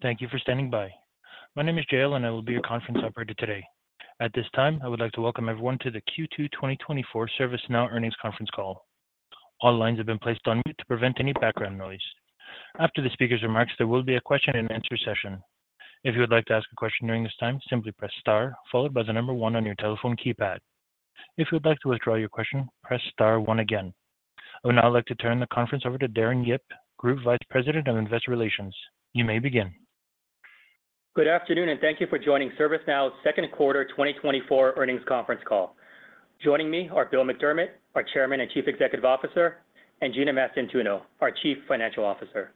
Thank you for standing by. My name is Jay, and I will be your conference operator today. At this time, I would like to welcome everyone to the Q2 2024 ServiceNow earnings conference call. All lines have been placed on mute to prevent any background noise. After the speaker's remarks, there will be a question-and-answer session. If you would like to ask a question during this time, simply press star, followed by the number one on your telephone keypad. If you would like to withdraw your question, press star one again. I would now like to turn the conference over to Darren Yip, Group Vice President of Investor Relations. You may begin. Good afternoon, and thank you for joining ServiceNow's second quarter 2024 earnings conference call. Joining me are Bill McDermott, our Chairman and Chief Executive Officer, and Gina Mastantuono, our Chief Financial Officer.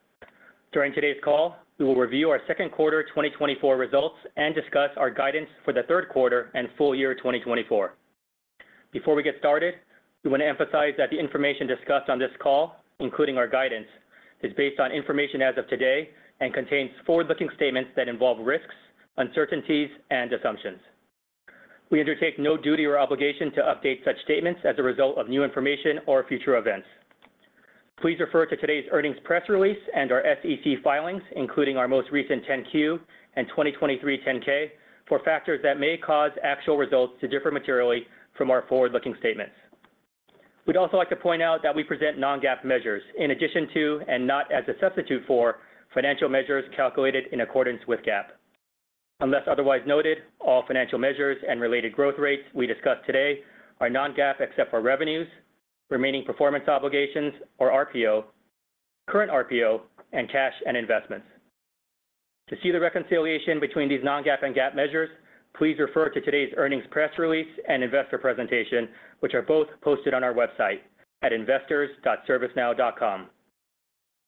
During today's call, we will review our second quarter 2024 results and discuss our guidance for the third quarter and full year 2024. Before we get started, we want to emphasize that the information discussed on this call, including our guidance, is based on information as of today and contains forward-looking statements that involve risks, uncertainties, and assumptions. We undertake no duty or obligation to update such statements as a result of new information or future events. Please refer to today's earnings press release and our SEC filings, including our most recent 10-Q and 2023 10-K, for factors that may cause actual results to differ materially from our forward-looking statements. We'd also like to point out that we present non-GAAP measures in addition to, and not as a substitute for, financial measures calculated in accordance with GAAP. Unless otherwise noted, all financial measures and related growth rates we discuss today are non-GAAP except for revenues, remaining performance obligations, or RPO, current RPO, and cash and investments. To see the reconciliation between these non-GAAP and GAAP measures, please refer to today's earnings press release and investor presentation, which are both posted on our website at investors.servicenow.com.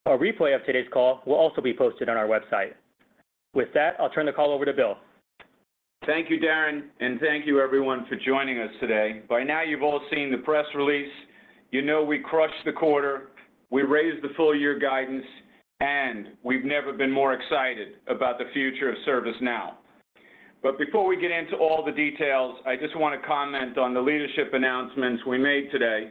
A replay of today's call will also be posted on our website. With that, I'll turn the call over to Bill. Thank you, Darren, and thank you, everyone, for joining us today. By now, you've all seen the press release. You know we crushed the quarter, we raised the full-year guidance, and we've never been more excited about the future of ServiceNow. But before we get into all the details, I just want to comment on the leadership announcements we made today.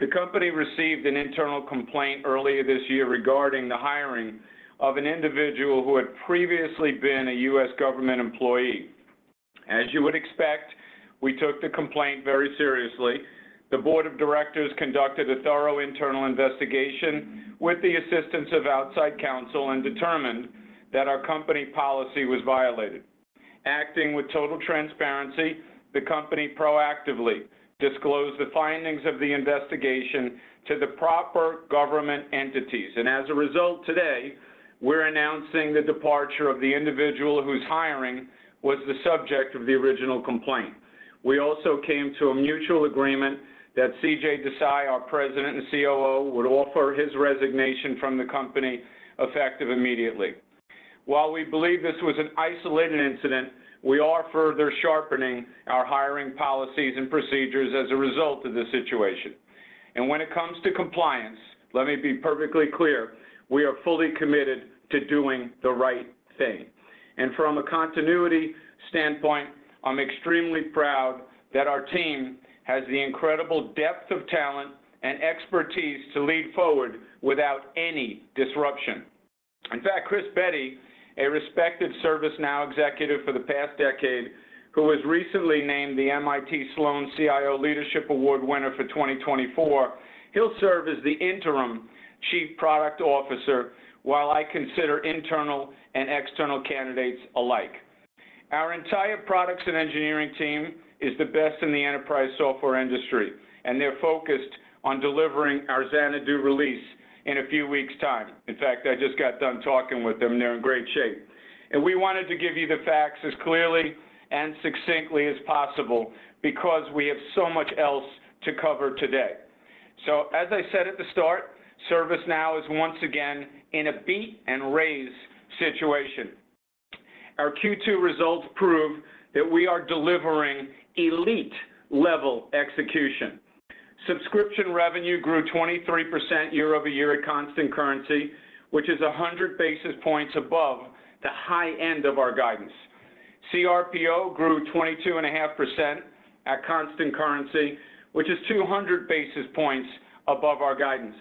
The company received an internal complaint earlier this year regarding the hiring of an individual who had previously been a U.S. government employee. As you would expect, we took the complaint very seriously. The board of directors conducted a thorough internal investigation with the assistance of outside counsel and determined that our company policy was violated. Acting with total transparency, the company proactively disclosed the findings of the investigation to the proper government entities. And as a result, today, we're announcing the departure of the individual whose hiring was the subject of the original complaint. We also came to a mutual agreement that CJ Desai, our President and COO, would offer his resignation from the company effective immediately. While we believe this was an isolated incident, we are further sharpening our hiring policies and procedures as a result of this situation. And when it comes to compliance, let me be perfectly clear: we are fully committed to doing the right thing. And from a continuity standpoint, I'm extremely proud that our team has the incredible depth of talent and expertise to lead forward without any disruption. In fact, Chris Bedi, a respected ServiceNow executive for the past decade, who was recently named the MIT Sloan CIO Leadership Award winner for 2024, he'll serve as the interim Chief Product Officer while I consider internal and external candidates alike. Our entire products and engineering team is the best in the enterprise software industry, and they're focused on delivering our Xanadu release in a few weeks' time. In fact, I just got done talking with them, and they're in great shape. We wanted to give you the facts as clearly and succinctly as possible because we have so much else to cover today. As I said at the start, ServiceNow is once again in a beat-and-raise situation. Our Q2 results prove that we are delivering elite-level execution. Subscription revenue grew 23% year-over-year at constant currency, which is 100 basis points above the high end of our guidance. cRPO grew 22.5% at constant currency, which is 200 basis points above our guidance.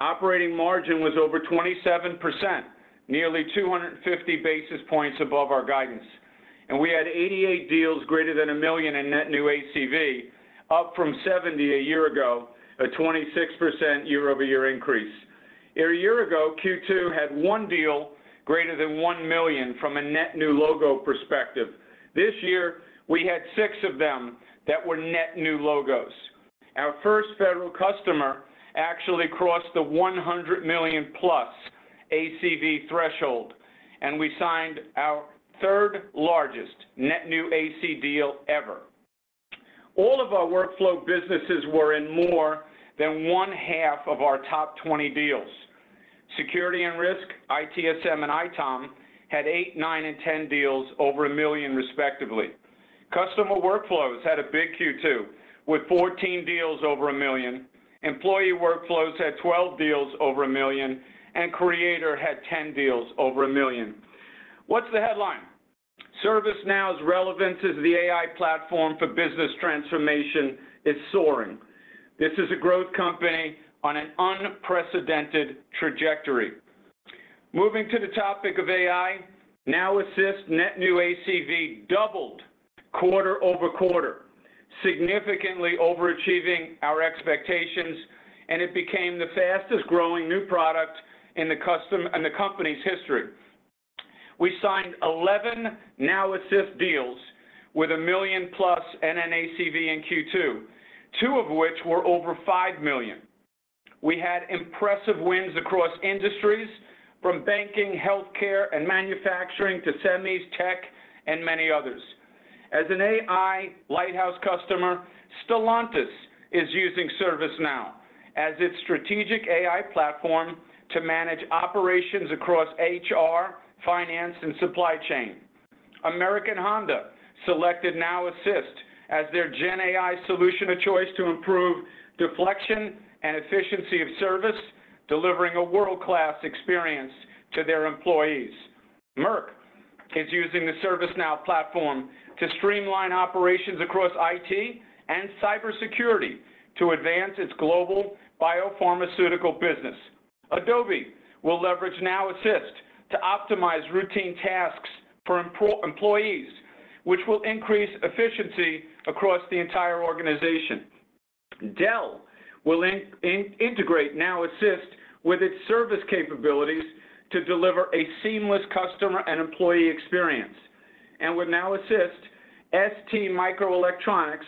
Operating margin was over 27%, nearly 250 basis points above our guidance. We had 88 deals greater than $1 million in net new ACV, up from 70 a year ago, a 26% year-over-year increase. A year ago, Q2 had one deal greater than $1 million from a net new logo perspective. This year, we had six of them that were net new logos. Our first federal customer actually crossed the $100 million+ ACV threshold, and we signed our third-largest net new ACV deal ever. All of our workflow businesses were in more than 1/2 of our top 20 deals. Security and Risk, ITSM, and ITOM had eight, nine, and 10 deals over $1 million, respectively. Customer Workflows had a big Q2 with 14 deals over $1 million. Employee Workflows had 12 deals over $1 million, and Creator had 10 deals over $1 million. What's the headline? ServiceNow's relevance as the AI platform for business transformation is soaring. This is a growth company on an unprecedented trajectory. Moving to the topic of AI, Now Assist net new ACV doubled quarter-over-quarter, significantly overachieving our expectations, and it became the fastest-growing new product in the company's history. We signed 11 Now Assist deals with a $1 million+ NNACV in Q2, two of which were over $5 million. We had impressive wins across industries, from banking, healthcare, and manufacturing to semis, tech, and many others. As an AI Lighthouse customer, Stellantis is using ServiceNow as its strategic AI platform to manage operations across HR, finance, and supply chain. American Honda selected Now Assist as their GenAI solution of choice to improve deflection and efficiency of service, delivering a world-class experience to their employees. Merck is using the ServiceNow platform to streamline operations across IT and cybersecurity to advance its global biopharmaceutical business. Adobe will leverage Now Assist to optimize routine tasks for employees, which will increase efficiency across the entire organization. Dell will integrate Now Assist with its service capabilities to deliver a seamless customer and employee experience. With Now Assist, STMicroelectronics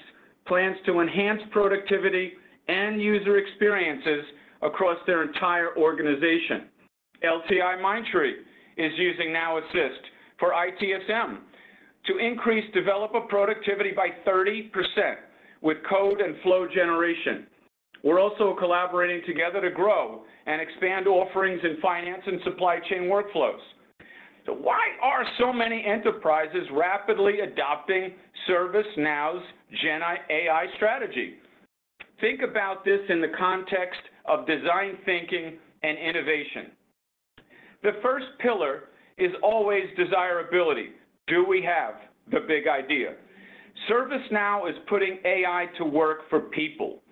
plans to enhance productivity and user experiences across their entire organization. LTIMindtree is using Now Assist for ITSM to increase developer productivity by 30% with code and flow generation. We're also collaborating together to grow and expand offerings in Finance and Supply Chain Workflows. Why are so many enterprises rapidly adopting ServiceNow's AI strategy? Think about this in the context of design thinking and innovation. The first pillar is always desirability. Do we have the big idea? ServiceNow is putting AI to work for people.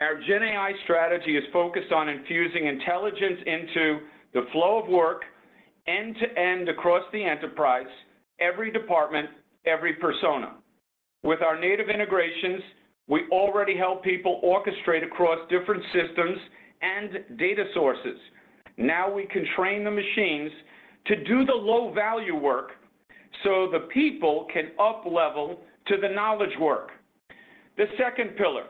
Our GenAI strategy is focused on infusing intelligence into the flow of work, end-to-end across the enterprise, every department, every persona. With our native integrations, we already help people orchestrate across different systems and data sources. Now we can train the machines to do the low-value work so the people can up-level to the knowledge work. The second pillar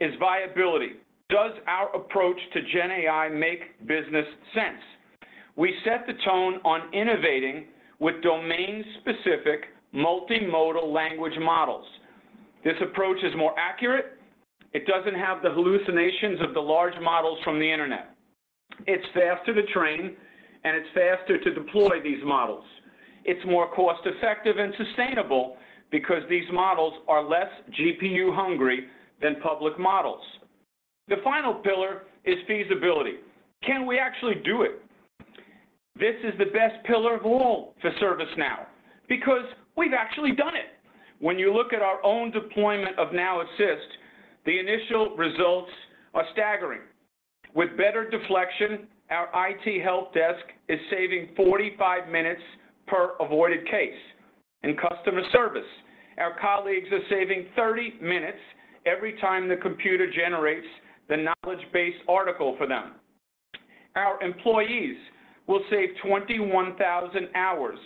is viability. Does our approach to GenAI make business sense? We set the tone on innovating with domain-specific multimodal language models. This approach is more accurate. It doesn't have the hallucinations of the large models from the internet. It's faster to train, and it's faster to deploy these models. It's more cost-effective and sustainable because these models are less GPU-hungry than public models. The final pillar is feasibility. Can we actually do it? This is the best pillar of all for ServiceNow because we've actually done it. When you look at our own deployment of Now Assist, the initial results are staggering. With better deflection, our IT help desk is saving 45 minutes per avoided case. In customer service, our colleagues are saving 30 minutes every time the computer generates the knowledge-based article for them. Our employees will save 21,000 hours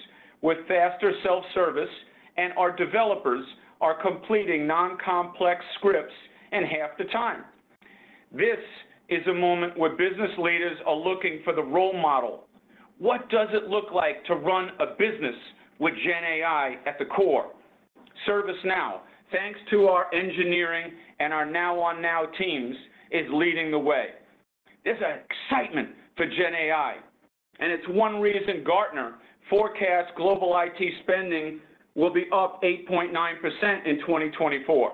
with faster self-service, and our developers are completing non-complex scripts in half the time. This is a moment where business leaders are looking for the role model. What does it look like to run a business with GenAI at the core? ServiceNow, thanks to our engineering and our now-on-now teams, is leading the way. There's excitement for GenAI, and it's one reason Gartner forecasts global IT spending will be up 8.9% in 2024.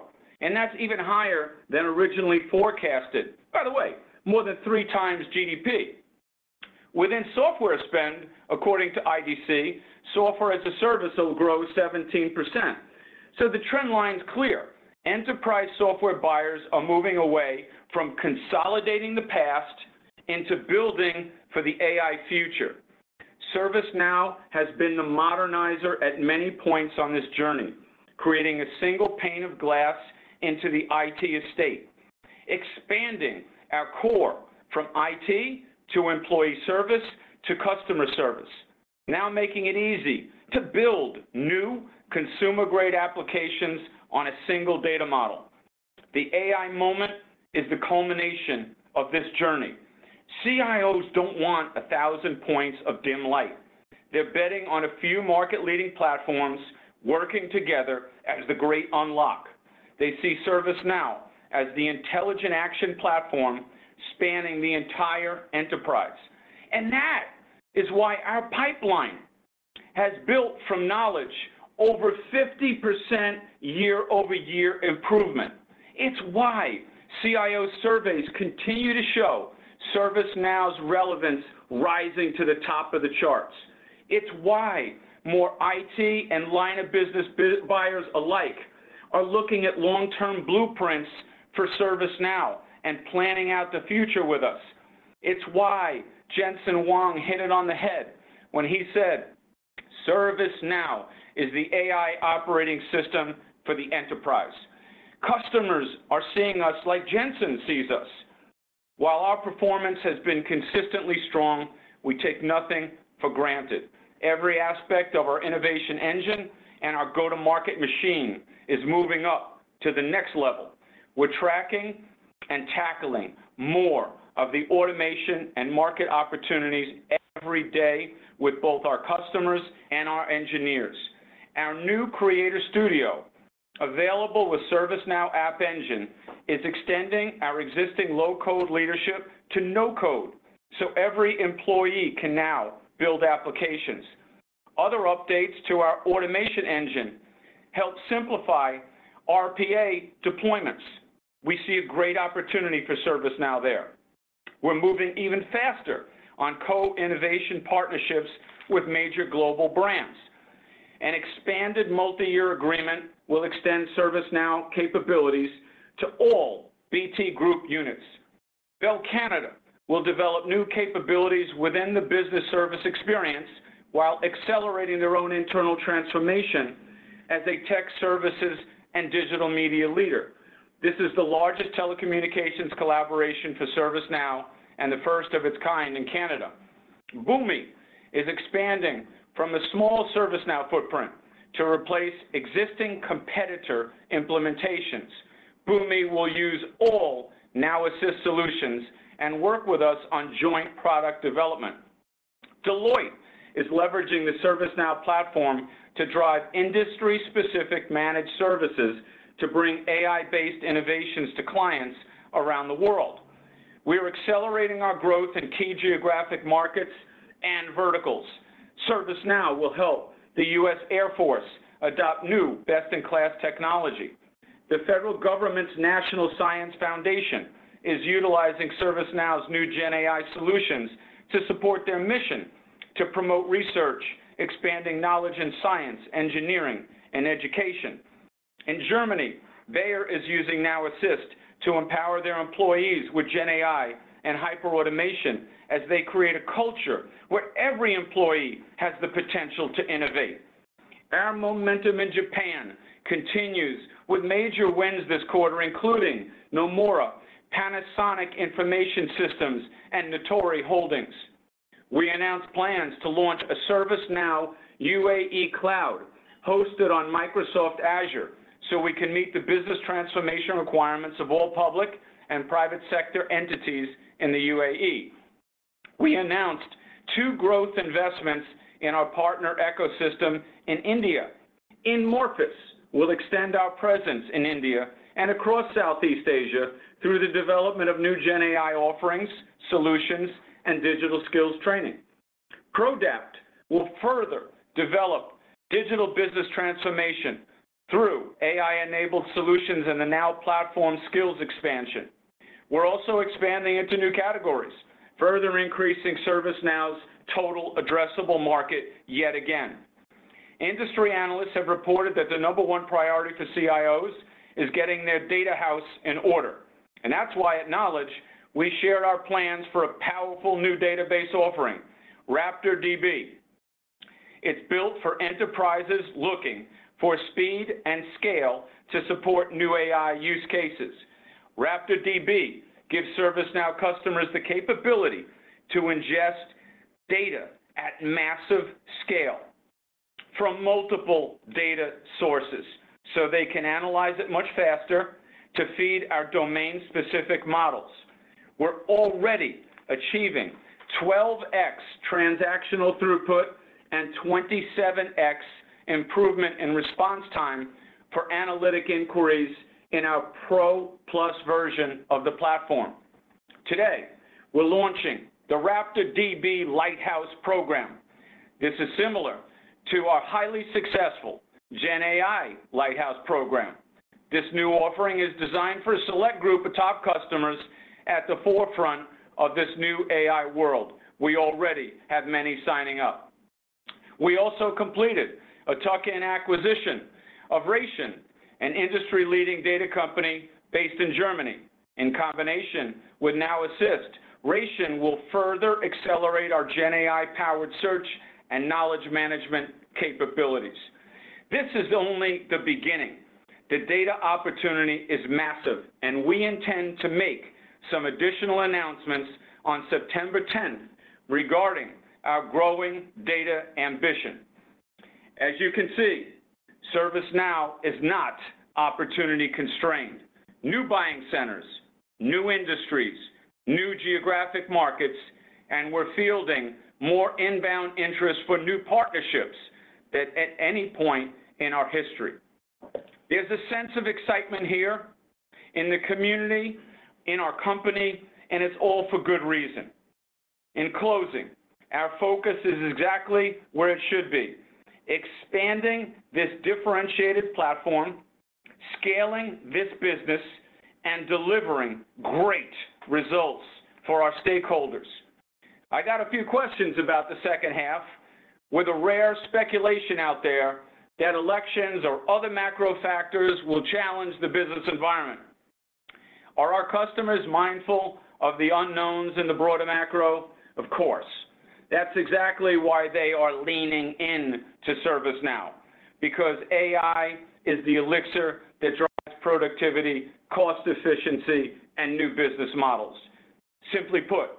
That's even higher than originally forecasted, by the way, more than 3x GDP. Within software spend, according to IDC, software as a service will grow 17%. The trend line's clear. Enterprise software buyers are moving away from consolidating the past into building for the AI future. ServiceNow has been the modernizer at many points on this journey, creating a single pane of glass into the IT estate, expanding our core from IT to employee service to customer service, now making it easy to build new consumer-grade applications on a single data model. The AI moment is the culmination of this journey. CIOs don't want 1,000 points of dim light. They're betting on a few market-leading platforms working together as the great unlock. They see ServiceNow as the intelligent action platform spanning the entire enterprise. That is why our pipeline has built from Knowledge over 50% year-over-year improvement. It's why CIO surveys continue to show ServiceNow's relevance rising to the top of the charts. It's why more IT and line-of-business buyers alike are looking at long-term blueprints for ServiceNow and planning out the future with us. It's why Jensen Huang hit it on the head when he said, "ServiceNow is the AI operating system for the enterprise." Customers are seeing us like Jensen sees us. While our performance has been consistently strong, we take nothing for granted. Every aspect of our innovation engine and our go-to-market machine is moving up to the next level. We're tracking and tackling more of the automation and market opportunities every day with both our customers and our engineers. Our new Creator Studio, available with ServiceNow App Engine, is extending our existing low-code leadership to no-code so every employee can now build applications. Other updates to our Automation Engine help simplify RPA deployments. We see a great opportunity for ServiceNow there. We're moving even faster on co-innovation partnerships with major global brands. An expanded multi-year agreement will extend ServiceNow capabilities to all BT Group units. Bell Canada will develop new capabilities within the business service experience while accelerating their own internal transformation as a tech services and digital media leader. This is the largest telecommunications collaboration for ServiceNow and the first of its kind in Canada. Boomi is expanding from a small ServiceNow footprint to replace existing competitor implementations. Boomi will use all Now Assist solutions and work with us on joint product development. Deloitte is leveraging the ServiceNow platform to drive industry-specific managed services to bring AI-based innovations to clients around the world. We are accelerating our growth in key geographic markets and verticals. ServiceNow will help the U.S. Air Force adopt new best-in-class technology. The federal government's National Science Foundation is utilizing ServiceNow's new GenAI solutions to support their mission to promote research, expanding knowledge in science, engineering, and education. In Germany, Bayer is using Now Assist to empower their employees with GenAI and hyperautomation as they create a culture where every employee has the potential to innovate. Our momentum in Japan continues with major wins this quarter, including Nomura, Panasonic Information Systems, and Nitori Holdings. We announced plans to launch a ServiceNow U.A.E. cloud hosted on Microsoft Azure so we can meet the business transformation requirements of all public and private sector entities in the U.A.E.. We announced two growth investments in our partner ecosystem in India. In inMorphis, we'll extend our presence in India and across Southeast Asia through the development of new GenAI offerings, solutions, and digital skills training. Prodapt will further develop digital business transformation through AI-enabled solutions and the Now Platform skills expansion. We're also expanding into new categories, further increasing ServiceNow's total addressable market yet again. Industry analysts have reported that the number one priority for CIOs is getting their data house in order. And that's why at Knowledge, we share our plans for a powerful new database offering, RaptorDB. It's built for enterprises looking for speed and scale to support new AI use cases. RaptorDB gives ServiceNow customers the capability to ingest data at massive scale from multiple data sources so they can analyze it much faster to feed our domain-specific models. We're already achieving 12x transactional throughput and 27x improvement in response time for analytic inquiries in our Pro Plus version of the platform. Today, we're launching the RaptorDB Lighthouse program. This is similar to our highly successful GenAI Lighthouse program. This new offering is designed for a select group of top customers at the forefront of this new AI world. We already have many signing up. We also completed a tuck-in acquisition of Raytion, an industry-leading data company based in Germany. In combination with Now Assist, Raytion will further accelerate our GenAI-powered search and Knowledge Management capabilities. This is only the beginning. The data opportunity is massive, and we intend to make some additional announcements on September 10 regarding our growing data ambition. As you can see, ServiceNow is not opportunity-constrained. New buying centers, new industries, new geographic markets, and we're fielding more inbound interest for new partnerships than at any point in our history. There's a sense of excitement here in the community, in our company, and it's all for good reason. In closing, our focus is exactly where it should be: expanding this differentiated platform, scaling this business, and delivering great results for our stakeholders. I got a few questions about the second half with a rare speculation out there that elections or other macro factors will challenge the business environment. Are our customers mindful of the unknowns in the broader macro? Of course. That's exactly why they are leaning in to ServiceNow, because AI is the elixir that drives productivity, cost efficiency, and new business models. Simply put,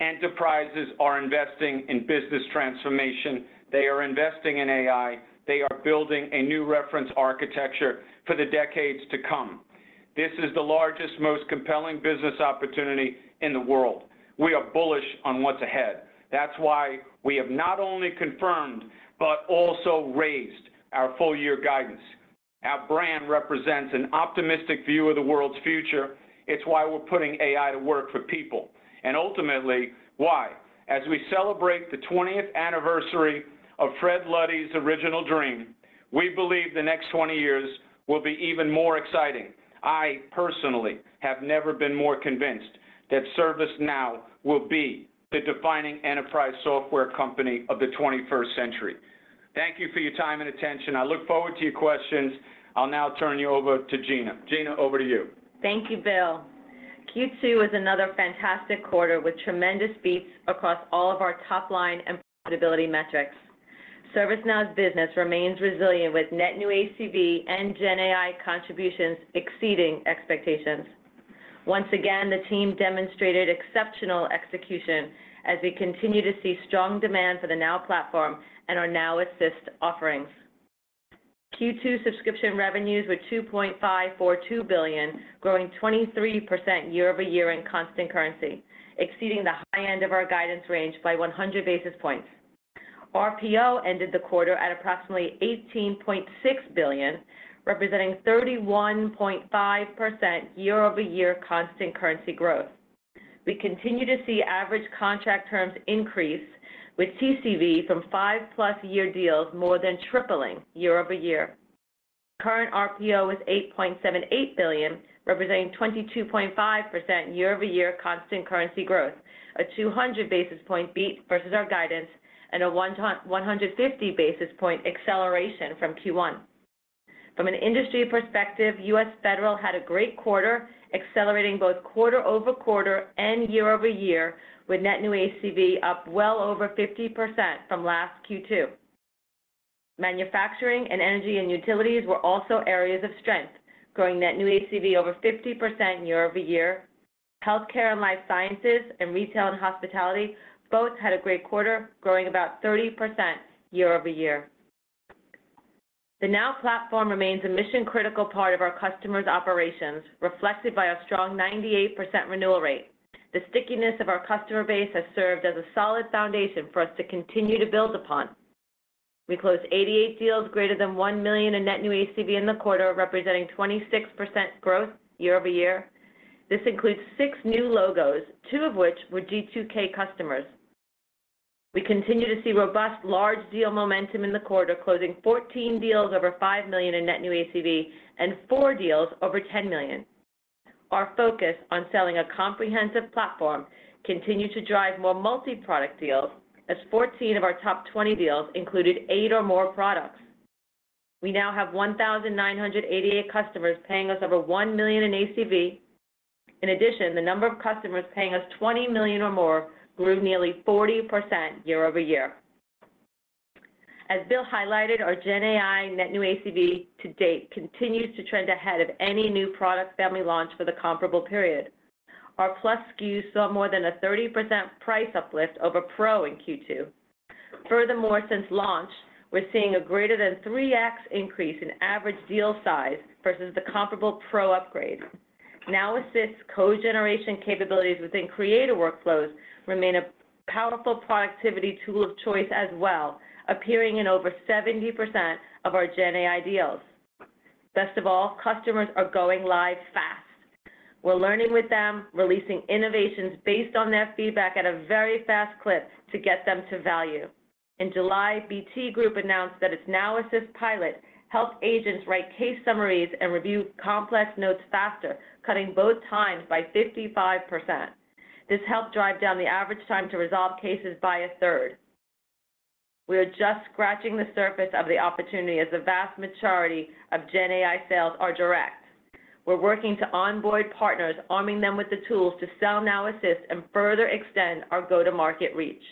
enterprises are investing in business transformation. They are investing in AI. They are building a new reference architecture for the decades to come. This is the largest, most compelling business opportunity in the world. We are bullish on what's ahead. That's why we have not only confirmed but also raised our full-year guidance. Our brand represents an optimistic view of the world's future. It's why we're putting AI to work for people. And ultimately, why? As we celebrate the 20th anniversary of Fred Luddy's original dream, we believe the next 20 years will be even more exciting. I personally have never been more convinced that ServiceNow will be the defining enterprise software company of the 21st century. Thank you for your time and attention. I look forward to your questions. I'll now turn you over to Gina. Gina, over to you. Thank you, Bill. Q2 was another fantastic quarter with tremendous beats across all of our top-line and profitability metrics. ServiceNow's business remains resilient with net new ACV and GenAI contributions exceeding expectations. Once again, the team demonstrated exceptional execution as we continue to see strong demand for the Now Platform and our Now Assist offerings. Q2 subscription revenues were $2.542 billion, growing 23% year-over-year in constant currency, exceeding the high end of our guidance range by 100 basis points. RPO ended the quarter at approximately $18.6 billion, representing 31.5% year-over-year constant currency growth. We continue to see average contract terms increase, with TCV from 5+ year deals more than tripling year-over-year. Current RPO was $8.78 billion, representing 22.5% year-over-year constant currency growth, a 200 basis point beat versus our guidance, and a 150 basis point acceleration from Q1. From an industry perspective, U.S. Federal had a great quarter, accelerating both quarter-over-quarter and year-over-year, with Net New ACV up well over 50% from last Q2. Manufacturing and Energy and Utilities were also areas of strength, growing net new ACV over 50% year-over-year. Healthcare and Life Sciences and Retail & Hospitality both had a great quarter, growing about 30% year-over-year. The Now Platform remains a mission-critical part of our customers' operations, reflected by our strong 98% renewal rate. The stickiness of our customer base has served as a solid foundation for us to continue to build upon. We closed 88 deals, greater than $1 million in net new ACV in the quarter, representing 26% growth year-over-year. This includes six new logos, two of which were G2K customers. We continue to see robust large-deal momentum in the quarter, closing 14 deals over $5 million in net new ACV and four deals over $10 million. Our focus on selling a comprehensive platform continues to drive more multi-product deals, as 14 of our top 20 deals included 8 or more products. We now have 1,988 customers paying us over $1 million in ACV. In addition, the number of customers paying us $20 million or more grew nearly 40% year-over-year. As Bill highlighted, our GenAI net new ACV to date continues to trend ahead of any new product family launch for the comparable period. Our Plus SKUs saw more than a 30% price uplift over Pro in Q2. Furthermore, since launch, we're seeing a greater than 3x increase in average deal size versus the comparable Pro upgrade. Now Assist's code generation capabilities Creator Workflows remain a powerful productivity tool of choice as well, appearing in over 70% of our GenAI deals. Best of all, customers are going live fast. We're learning with them, releasing innovations based on their feedback at a very fast clip to get them to value. In July, BT Group announced that its Now Assist pilot helped agents write case summaries and review complex notes faster, cutting both times by 55%. This helped drive down the average time to resolve cases by a third. We are just scratching the surface of the opportunity as the vast majority of GenAI sales are direct. We're working to onboard partners, arming them with the tools to sell Now Assist and further extend our go-to-market reach.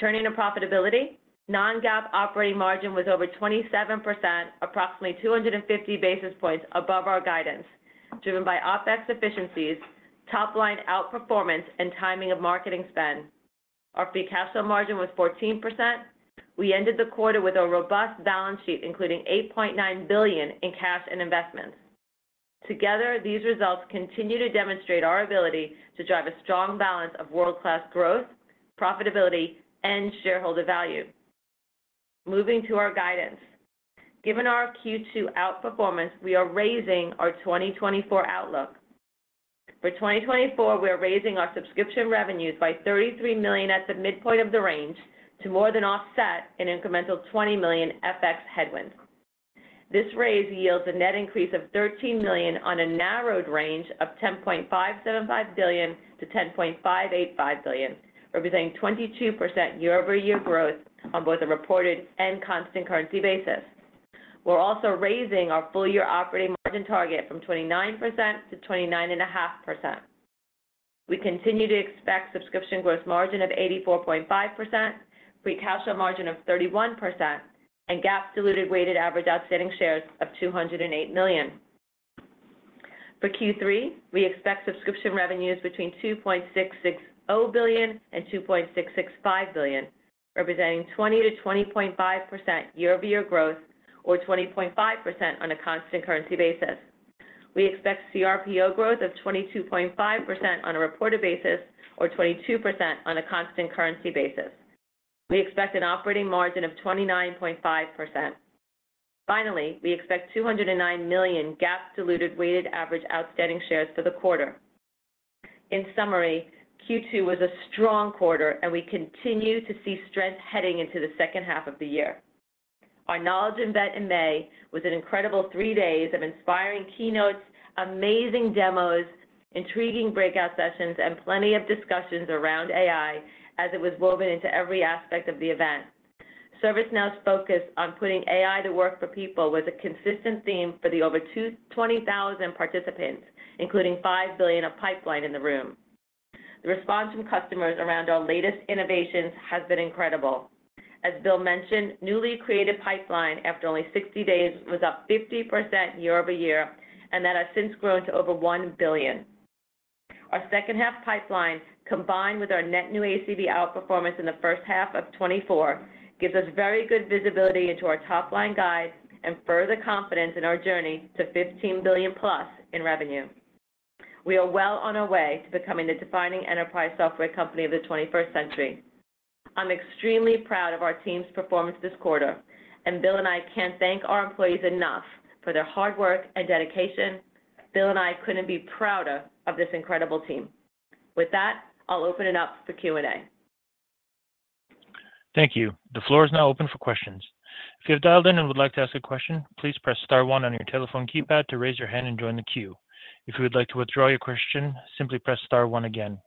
Turning to profitability, non-GAAP operating margin was over 27%, approximately 250 basis points above our guidance, driven by OpEx efficiencies, top-line outperformance, and timing of marketing spend. Our free cash flow margin was 14%. We ended the quarter with a robust balance sheet, including $8.9 billion in cash and investments. Together, these results continue to demonstrate our ability to drive a strong balance of world-class growth, profitability, and shareholder value. Moving to our guidance. Given our Q2 outperformance, we are raising our 2024 outlook. For 2024, we are raising our subscription revenues by $33 million at the midpoint of the range to more than offset an incremental $20 million FX headwind. This raise yields a net increase of $13 million on a narrowed range of $10.575 billion-$10.585 billion, representing 22% year-over-year growth on both a reported and constant currency basis. We're also raising our full-year operating margin target from 29% to 29.5%. We continue to expect subscription gross margin of 84.5%, free cash flow margin of 31%, and GAAP diluted weighted average outstanding shares of 208 million. For Q3, we expect subscription revenues between $2.660 billion-$2.665 billion, representing 20%-20.5% year-over-year growth or 20.5% on a constant currency basis. We expect cRPO growth of 22.5% on a reported basis or 22% on a constant currency basis. We expect an operating margin of 29.5%. Finally, we expect 209 million GAAP diluted weighted average outstanding shares for the quarter. In summary, Q2 was a strong quarter, and we continue to see strength heading into the second half of the year. Our Knowledge event in May was an incredible three days of inspiring keynotes, amazing demos, intriguing breakout sessions, and plenty of discussions around AI as it was woven into every aspect of the event. ServiceNow's focus on putting AI to work for people was a consistent theme for the over 20,000 participants, including $5 billion of pipeline in the room. The response from customers around our latest innovations has been incredible. As Bill mentioned, newly created pipeline after only 60 days was up 50% year-over-year and that has since grown to over $1 billion. Our second-half pipeline, combined with our net new ACV outperformance in the first half of 2024, gives us very good visibility into our top-line guide and further confidence in our journey to $15 billion+ in revenue. We are well on our way to becoming the defining enterprise software company of the 21st century. I'm extremely proud of our team's performance this quarter, and Bill and I can't thank our employees enough for their hard work and dedication. Bill and I couldn't be prouder of this incredible team. With that, I'll open it up for Q&A. Thank you. The floor is now open for questions. If you have dialed in and would like to ask a question, please press Star one on your telephone keypad to raise your hand and join the queue. If you would like to withdraw your question, simply press Star one again.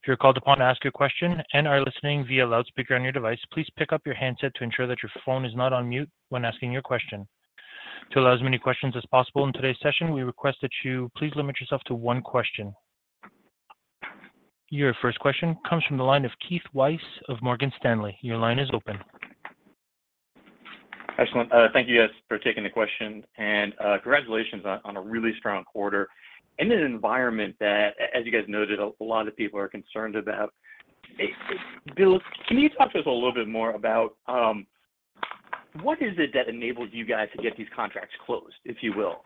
If you're called upon to ask your question and are listening via loudspeaker on your device, please pick up your handset to ensure that your phone is not on mute when asking your question. To allow as many questions as possible in today's session, we request that you please limit yourself to one question. Your first question comes from the line of Keith Weiss of Morgan Stanley. Your line is open. Excellent. Thank you, guys, for taking the question. And congratulations on a really strong quarter in an environment that, as you guys noted, a lot of people are concerned about. Bill, can you talk to us a little bit more about what is it that enabled you guys to get these contracts closed, if you will?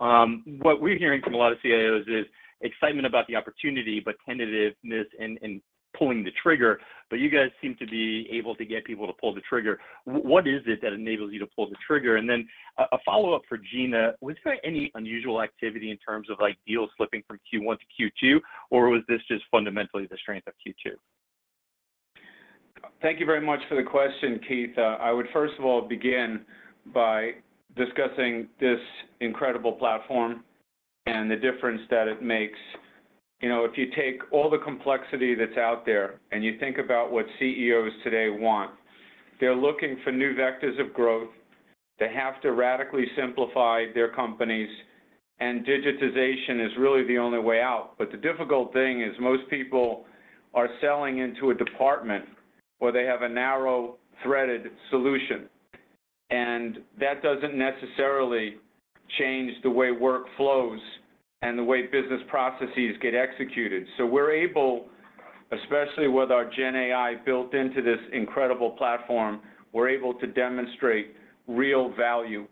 What we're hearing from a lot of CIOs is excitement about the opportunity but tentativeness in pulling the trigger. But you guys seem to be able to get people to pull the trigger. What is it that enables you to pull the trigger? And then a follow-up for Gina, was there any unusual activity in terms of deals slipping from Q1 to Q2, or was this just fundamentally the strength of Q2? Thank you very much for the question, Keith. I would, first of all, begin by discussing this incredible platform and the difference that it makes. If you take all the complexity that's out there and you think about what CEOs today want, they're looking for new vectors of growth. They have to radically simplify their companies, and digitization is really the only way out. But the difficult thing is most people are selling into a department where they have a narrow-threaded solution. And that doesn't necessarily change the way work flows and the way business processes get executed. So we're able, especially with our GenAI built into this incredible platform, we're able to demonstrate real value.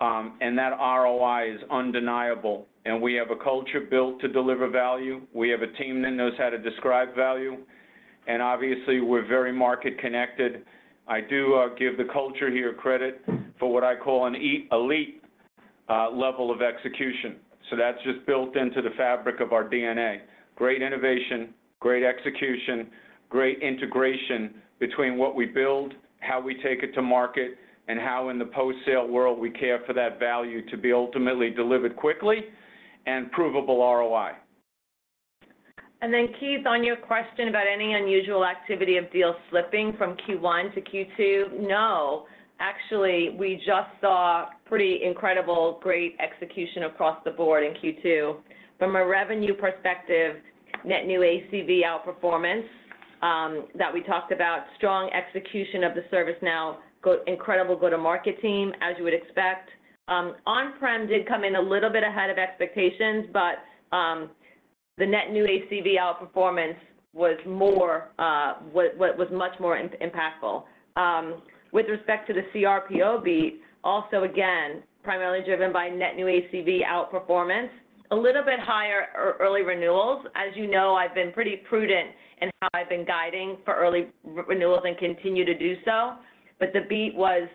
And that ROI is undeniable. And we have a culture built to deliver value. We have a team that knows how to describe value. And obviously, we're very market-connected. I do give the culture here credit for what I call an elite level of execution. So that's just built into the fabric of our DNA. Great innovation, great execution, great integration between what we build, how we take it to market, and how in the post-sale world we care for that value to be ultimately delivered quickly and provable ROI. And then, Keith, on your question about any unusual activity of deals slipping from Q1 to Q2, no. Actually, we just saw pretty incredible great execution across the board in Q2. From a revenue perspective, net new ACV outperformance that we talked about, strong execution of the ServiceNow incredible go-to-market team, as you would expect. On-prem did come in a little bit ahead of expectations, but the net new ACV outperformance was much more impactful. With respect to the cRPO beat, also again, primarily driven by net new ACV outperformance, a little bit higher early renewals. As you know, I've been pretty prudent in how I've been guiding for early renewals and continue to do so. But the beat was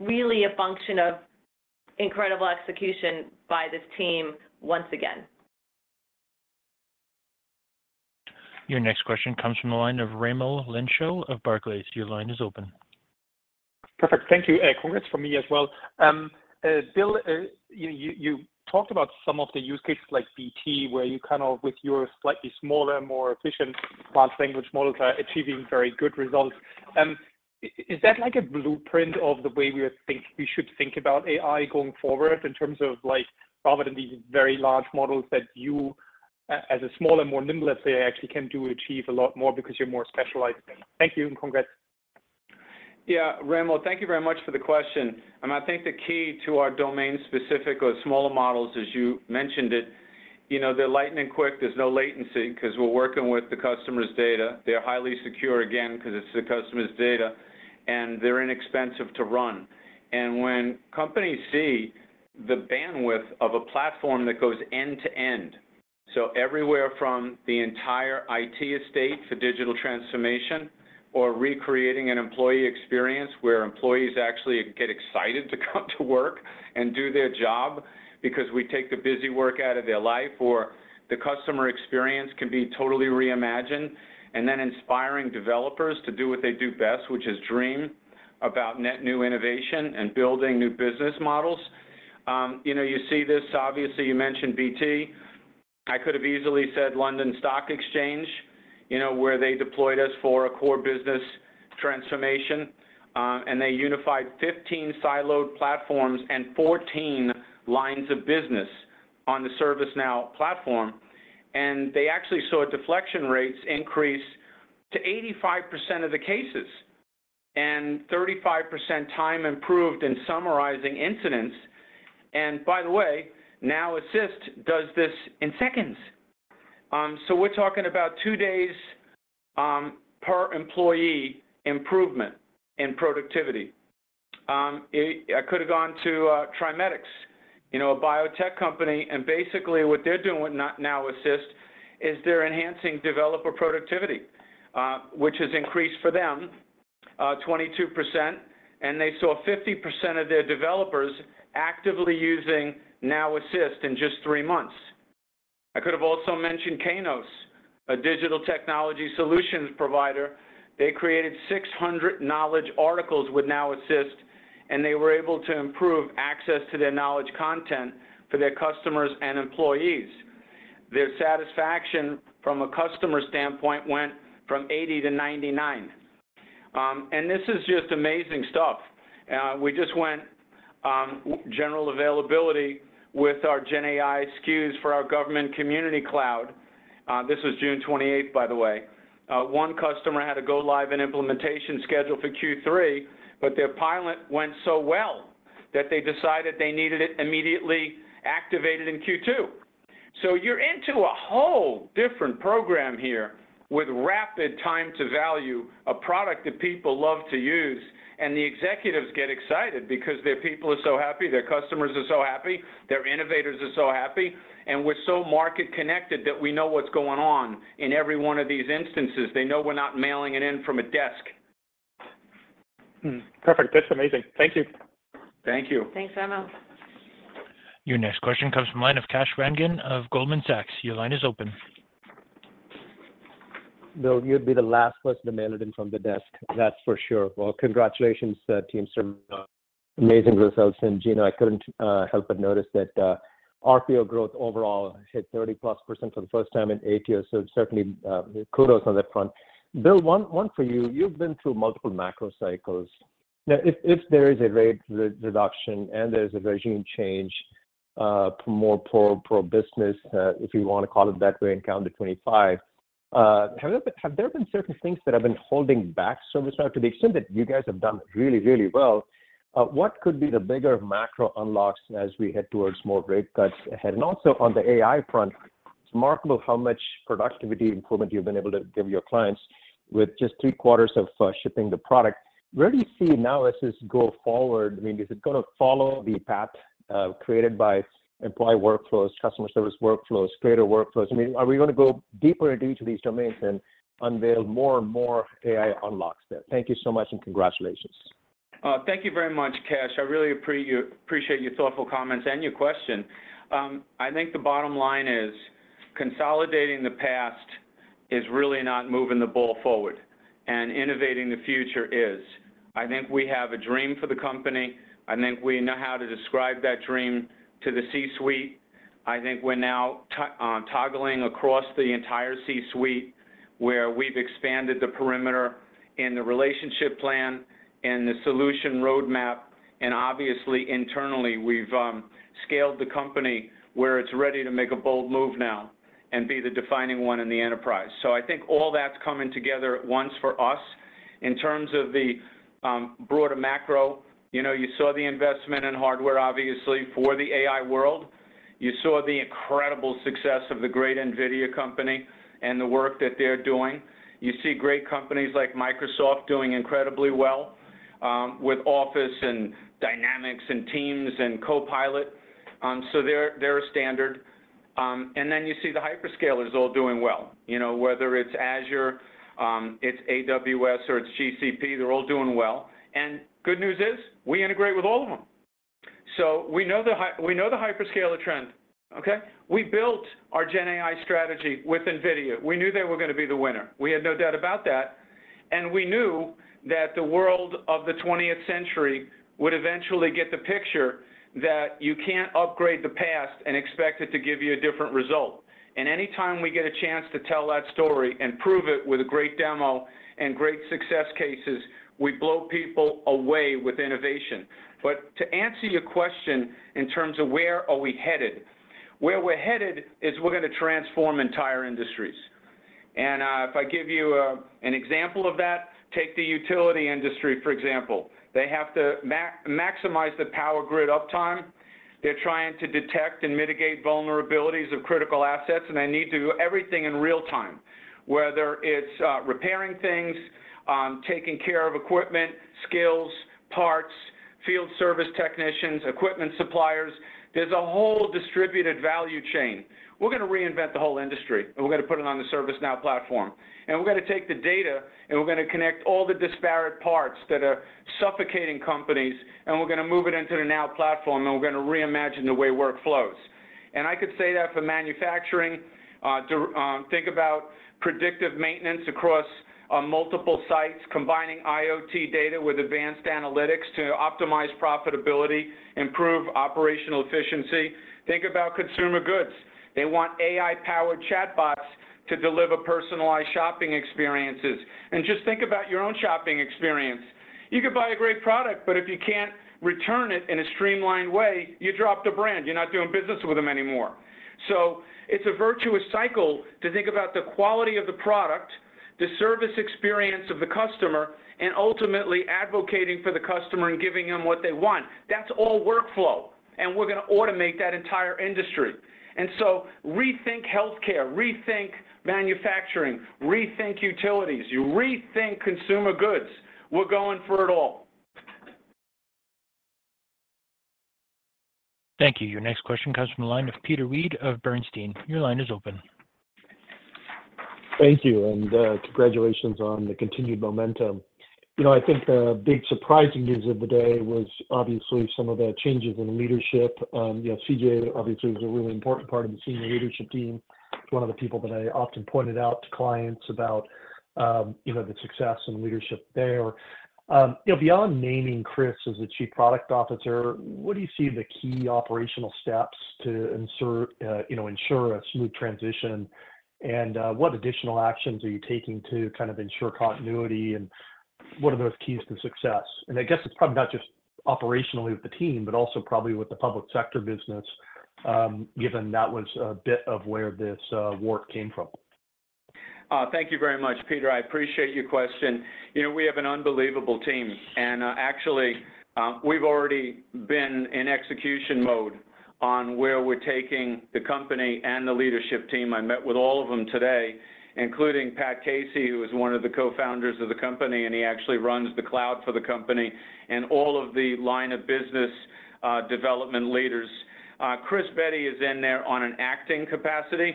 really a function of incredible execution by this team once again. Your next question comes from the line of Raimo Lenschow of Barclays. Your line is open. Perfect. Thank you. Congrats from me as well. Bill, you talked about some of the use cases like BT, where you kind of, with your slightly smaller, more efficient large language models, are achieving very good results. Is that like a blueprint of the way we should think about AI going forward in terms of rather than these very large models that you, as a smaller, more nimble, actually can do, achieve a lot more because you're more specialized? Thank you and congrats. Yeah, Raimo, thank you very much for the question. I think the key to our domain-specific or smaller models, as you mentioned it, they're lightning quick. There's no latency because we're working with the customer's data. They're highly secure, again, because it's the customer's data, and they're inexpensive to run. When companies see the bandwidth of a platform that goes end-to-end, so everywhere from the entire IT estate for digital transformation or recreating an employee experience where employees actually get excited to come to work and do their job because we take the busy work out of their life, or the customer experience can be totally reimagined, and then inspiring developers to do what they do best, which is dream about net new innovation and building new business models. You see this, obviously, you mentioned BT. I could have easily said London Stock Exchange, where they deployed us for a core business transformation. They unified 15 siloed platforms and 14 lines of business on the ServiceNow platform. They actually saw deflection rates increase to 85% of the cases and 35% time improved in summarizing incidents. By the way, Now Assist does this in seconds. So we're talking about 2 days per employee improvement in productivity. I could have gone to TRIMEDX, a biotech company. Basically, what they're doing with Now Assist is they're enhancing developer productivity, which has increased for them 22%. They saw 50% of their developers actively using Now Assist in just 3 months. I could have also mentioned Kainos, a digital technology solutions provider. They created 600 Knowledge articles with Now Assist, and they were able to improve access to their Knowledge content for their customers and employees. Their satisfaction from a customer standpoint went from 80 to 99. This is just amazing stuff. We just went general availability with our GenAI SKUs for our Government Community Cloud. This was June 28th, by the way. One customer had a go-live and implementation schedule for Q3, but their pilot went so well that they decided they needed it immediately activated in Q2. So you're into a whole different program here with rapid time to value, a product that people love to use. And the executives get excited because their people are so happy, their customers are so happy, their innovators are so happy. And we're so market-connected that we know what's going on in every one of these instances. They know we're not mailing it in from a desk. Perfect. That's amazing. Thank you. Thank you. Thanks, Raimo. Your next question comes from the line of Kash Rangan of Goldman Sachs. Your line is open. Bill, you'd be the last person to mail it in from the desk. That's for sure. Well, congratulations, team. Amazing results. And Gina, I couldn't help but notice that RPO growth overall hit 30+% for the first time in eight years. So certainly, kudos on that front. Bill, one for you. You've been through multiple macro cycles. Now, if there is a rate reduction and there's a regime change for more pro-business, if you want to call it that way, in calendar 2025, have there been certain things that have been holding back ServiceNow to the extent that you guys have done really, really well? What could be the bigger macro unlocks as we head towards more rate cuts ahead? And also on the AI front, it's remarkable how much productivity improvement you've been able to give your clients with just three quarters of shipping the product. Where do you see Now Assist go forward? I mean, is it going to follow the path created by Employee Workflows, customer service Creator Workflows? i mean, are we going to go deeper into each of these domains and unveil more and more AI unlocks there? Thank you so much and congratulations. Thank you very much, Kash. I really appreciate your thoughtful comments and your question. I think the bottom line is consolidating the past is really not moving the ball forward. Innovating the future is. I think we have a dream for the company. I think we know how to describe that dream to the C-suite. I think we're now toggling across the entire C-suite where we've expanded the perimeter in the relationship plan and the solution roadmap. And obviously, internally, we've scaled the company where it's ready to make a bold move now and be the defining one in the enterprise. So I think all that's coming together at once for us in terms of the broader macro. You saw the investment in hardware, obviously, for the AI world. You saw the incredible success of the great NVIDIA company and the work that they're doing. You see great companies like Microsoft doing incredibly well with Office and Dynamics and Teams and Copilot. So they're a standard. And then you see the hyperscalers all doing well. Whether it's Azure, it's AWS, or it's GCP, they're all doing well. And good news is we integrate with all of them. So we know the hyperscaler trend. Okay? We built our GenAI strategy with NVIDIA. We knew they were going to be the winner. We had no doubt about that. We knew that the world of the 20th century would eventually get the picture that you can't upgrade the past and expect it to give you a different result. Anytime we get a chance to tell that story and prove it with a great demo and great success cases, we blow people away with innovation. To answer your question in terms of where are we headed, where we're headed is we're going to transform entire industries. If I give you an example of that, take the utility industry, for example. They have to maximize the power grid uptime. They're trying to detect and mitigate vulnerabilities of critical assets. They need to do everything in real time, whether it's repairing things, taking care of equipment, skills, parts, field service technicians, equipment suppliers. There's a whole distributed value chain. We're going to reinvent the whole industry. We're going to put it on the ServiceNow platform. We're going to take the data and we're going to connect all the disparate parts that are suffocating companies. We're going to move it into the Now Platform. We're going to reimagine the way work flows. I could say that for manufacturing. Think about predictive maintenance across multiple sites, combining IoT data with advanced analytics to optimize profitability, improve operational efficiency. Think about consumer goods. They want AI-powered chatbots to deliver personalized shopping experiences. Just think about your own shopping experience. You could buy a great product, but if you can't return it in a streamlined way, you drop the brand. You're not doing business with them anymore. So it's a virtuous cycle to think about the quality of the product, the service experience of the customer, and ultimately advocating for the customer and giving them what they want. That's all workflow. And we're going to automate that entire industry. And so rethink healthcare, rethink manufacturing, rethink utilities, rethink consumer goods. We're going for it all. Thank you. Your next question comes from the line of Peter Weed of Bernstein. Your line is open. Thank you. And congratulations on the continued momentum. I think the big surprise at the end of the day was obviously some of the changes in leadership. C.J., obviously, is a really important part of the senior leadership team. It's one of the people that I often pointed out to clients about the success and leadership there. Beyond naming Chris as the Chief Product Officer, what do you see the key operational steps to ensure a smooth transition? And what additional actions are you taking to kind of ensure continuity? And what are those keys to success? And I guess it's probably not just operationally with the team, but also probably with the public sector business, given that was a bit of where this work came from. Thank you very much, Peter. I appreciate your question. We have an unbelievable team. And actually, we've already been in execution mode on where we're taking the company and the leadership team. I met with all of them today, including Pat Casey, who is one of the co-founders of the company. And he actually runs the cloud for the company and all of the line of business development leaders. Chris Bedi is in there on an acting capacity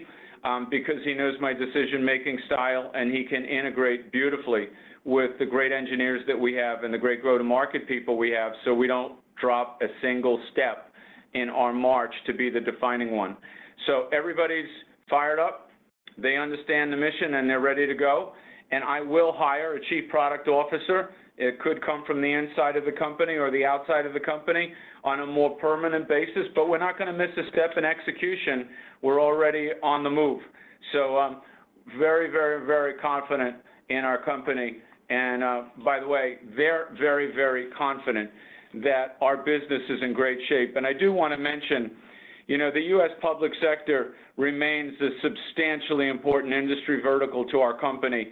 because he knows my decision-making style. And he can integrate beautifully with the great engineers that we have and the great go-to-market people we have so we don't drop a single step in our march to be the defining one. So everybody's fired up. They understand the mission, and they're ready to go. And I will hire a Chief Product Officer. It could come from the inside of the company or the outside of the company on a more permanent basis. But we're not going to miss a step in execution. We're already on the move. So very, very, very confident in our company. And by the way, very, very, very confident that our business is in great shape. And I do want to mention the U.S. public sector remains a substantially important industry vertical to our company.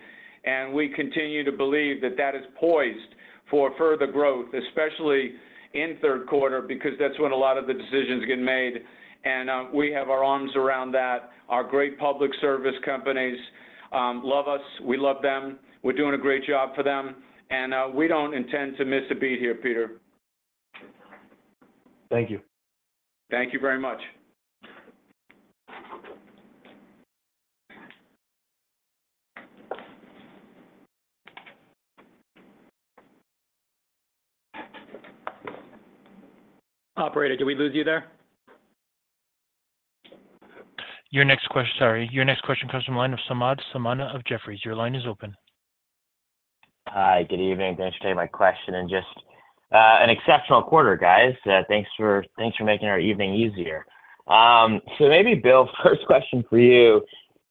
We continue to believe that that is poised for further growth, especially in third quarter because that's when a lot of the decisions get made. We have our arms around that. Our great public service companies love us. We love them. We're doing a great job for them. We don't intend to miss a beat here, Peter. Thank you. Thank you very much. Operator, did we lose you there? Your next question comes from the line of Samad Samana of Jefferies. Your line is open. Hi. Good evening. Thanks for taking my question. Just an exceptional quarter, guys. Thanks for making our evening easier. Maybe, Bill, first question for you.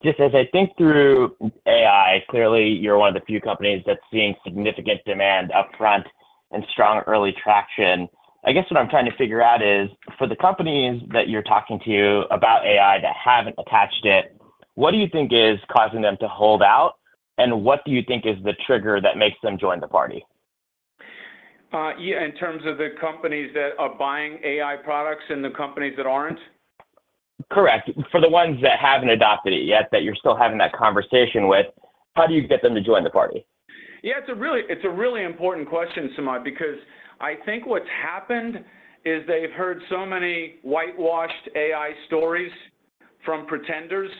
Just as I think through AI, clearly, you're one of the few companies that's seeing significant demand upfront and strong early traction. I guess what I'm trying to figure out is for the companies that you're talking to about AI that haven't attached it, what do you think is causing them to hold out? And what do you think is the trigger that makes them join the party? In terms of the companies that are buying AI products and the companies that aren't? Correct. For the ones that haven't adopted it yet, that you're still having that conversation with, how do you get them to join the party? Yeah. It's a really important question, Samad, because I think what's happened is they've heard so many whitewashed AI stories from pretenders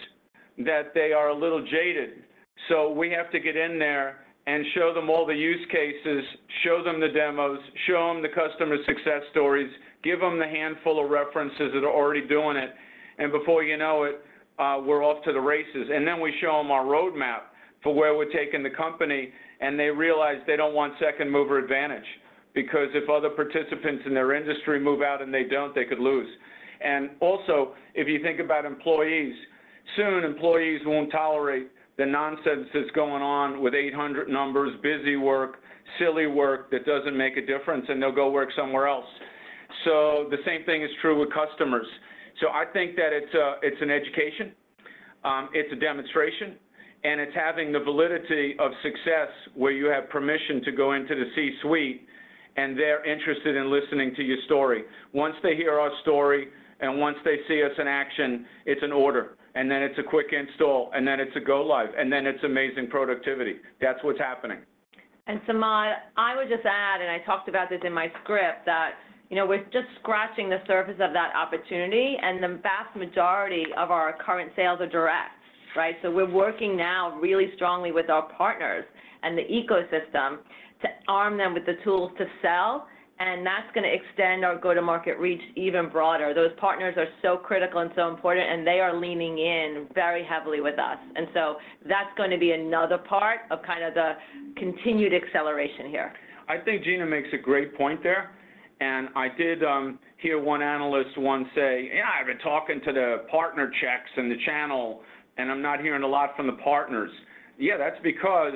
that they are a little jaded. So we have to get in there and show them all the use cases, show them the demos, show them the customer success stories, give them the handful of references that are already doing it. Before you know it, we're off to the races. Then we show them our roadmap for where we're taking the company. They realize they don't want second-mover advantage because if other participants in their industry move out and they don't, they could lose. Also, if you think about employees, soon employees won't tolerate the nonsense that's going on with 800 numbers, busy work, silly work that doesn't make a difference. They'll go work somewhere else. So the same thing is true with customers. So I think that it's an education. It's a demonstration. It's having the validity of success where you have permission to go into the C-suite. They're interested in listening to your story. Once they hear our story and once they see us in action, it's an order. Then it's a quick install. Then it's a go-live. And then it's amazing productivity. That's what's happening. And Samad, I would just add, and I talked about this in my script, that we're just scratching the surface of that opportunity. And the vast majority of our current sales are direct. Right? So we're working now really strongly with our partners and the ecosystem to arm them with the tools to sell. And that's going to extend our go-to-market reach even broader. Those partners are so critical and so important. And they are leaning in very heavily with us. And so that's going to be another part of kind of the continued acceleration here. I think Gina makes a great point there. And I did hear one analyst once say, "I've been talking to the partner checks and the channel, and I'm not hearing a lot from the partners." Yeah, that's because,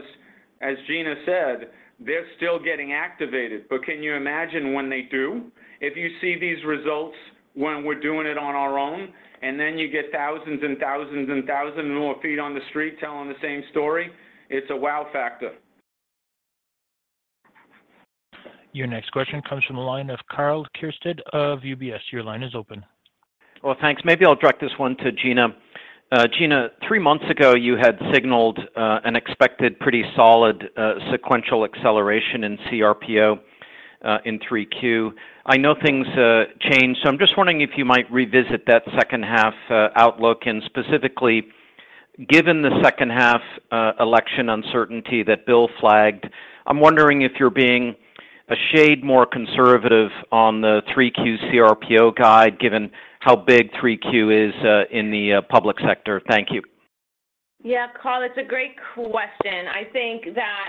as Gina said, they're still getting activated. But can you imagine when they do? If you see these results when we're doing it on our own, and then you get thousands and thousands and thousands more feet on the street telling the same story, it's a wow factor. Your next question comes from the line of Karl Keirstead of UBS. Your line is open. Well, thanks. Maybe I'll direct this one to Gina. Gina, three months ago, you had signaled an expected pretty solid sequential acceleration in cRPO in 3Q. I know things change. So I'm just wondering if you might revisit that second-half outlook. And specifically, given the second-half election uncertainty that Bill flagged, I'm wondering if you're being a shade more conservative on the 3Q cRPO guide given how big 3Q is in the public sector. Thank you. Yeah, Carl. It's a great question. I think that,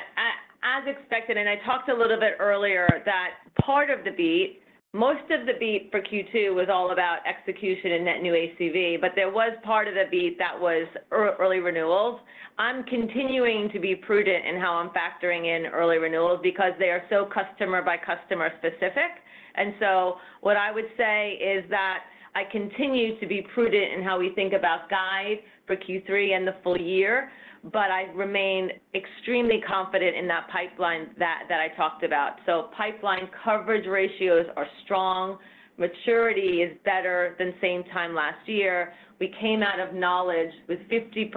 as expected, and I talked a little bit earlier, that part of the beat, most of the beat for Q2 was all about execution and net new ACV. But there was part of the beat that was early renewals. I'm continuing to be prudent in how I'm factoring in early renewals because they are so customer-by-customer specific. And so what I would say is that I continue to be prudent in how we think about guide for Q3 and the full year. But I remain extremely confident in that pipeline that I talked about. So pipeline coverage ratios are strong. Maturity is better than same time last year. We came out of Knowledge with 50%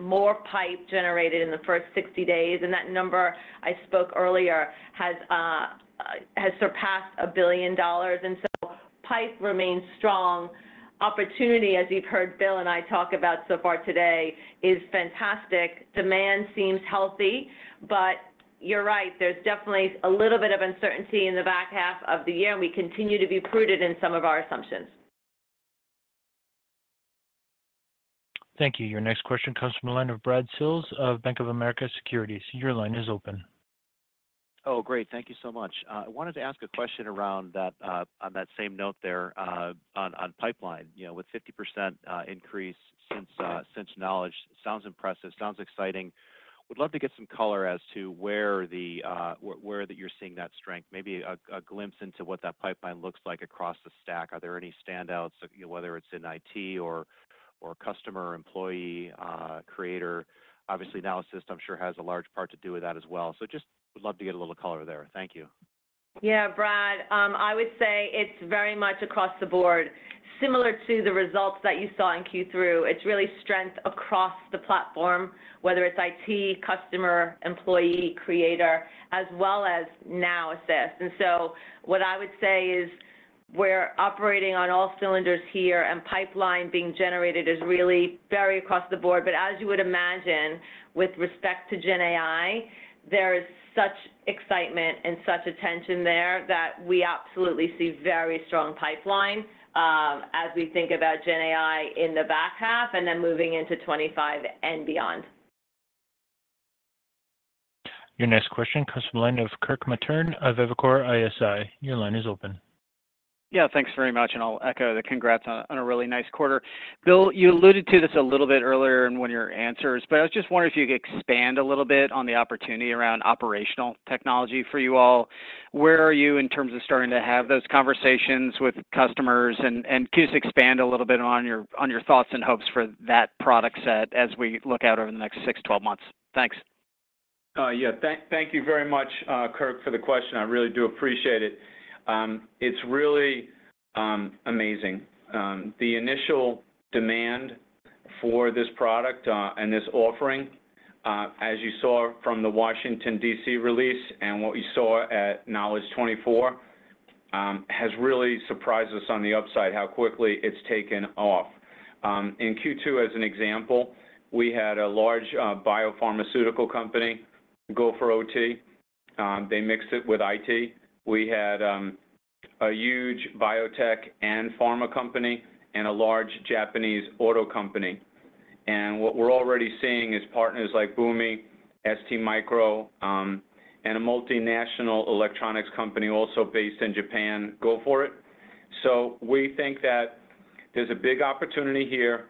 more pipe generated in the first 60 days. And that number I spoke earlier has surpassed $1 billion. And so pipe remains strong. Opportunity, as you've heard Bill and I talk about so far today, is fantastic. Demand seems healthy. But you're right. There's definitely a little bit of uncertainty in the back half of the year. And we continue to be prudent in some of our assumptions. Thank you. Your next question comes from the line of Brad Sills of Bank of America Securities. Your line is open. Oh, great. Thank you so much. I wanted to ask a question around that on that same note there on pipeline with 50% increase since Knowledge. Sounds impressive. Sounds exciting. Would love to get some color as to where you're seeing that strength. Maybe a glimpse into what that pipeline looks like across the stack. Are there any standouts, whether it's in IT or customer or employee creator? Obviously, analysis, I'm sure, has a large part to do with that as well. So just would love to get a little color there. Thank you. Yeah, Brad. I would say it's very much across the board. Similar to the results that you saw in Q3, it's really strength across the platform, whether it's IT, customer, employee, creator, as well as Now Assist. And so what I would say is we're operating on all cylinders here. And pipeline being generated is really very across the board. But as you would imagine, with respect to GenAI, there is such excitement and such attention there that we absolutely see very strong pipeline as we think about GenAI in the back half and then moving into 2025 and beyond. Your next question comes from the line of Kirk Materne of Evercore ISI. Your line is open. Yeah. Thanks very much. And I'll echo the congrats on a really nice quarter. Bill, you alluded to this a little bit earlier in one of your answers. But I was just wondering if you could expand a little bit on the opportunity around operational technology for you all. Where are you in terms of starting to have those conversations with customers? And can you just expand a little bit on your thoughts and hopes for that product set as we look out over the next 6-12 months? Thanks. Yeah. Thank you very much, Kirk, for the question. I really do appreciate it. It's really amazing. The initial demand for this product and this offering, as you saw from the Washington, D.C., release and what you saw at Knowledge 24, has really surprised us on the upside how quickly it's taken off. In Q2, as an example, we had a large biopharmaceutical company go for OT. They mixed it with IT. We had a huge biotech and pharma company and a large Japanese auto company. What we're already seeing is partners like Boomi, STMicro, and a multinational electronics company also based in Japan, go for IT. We think that there's a big opportunity here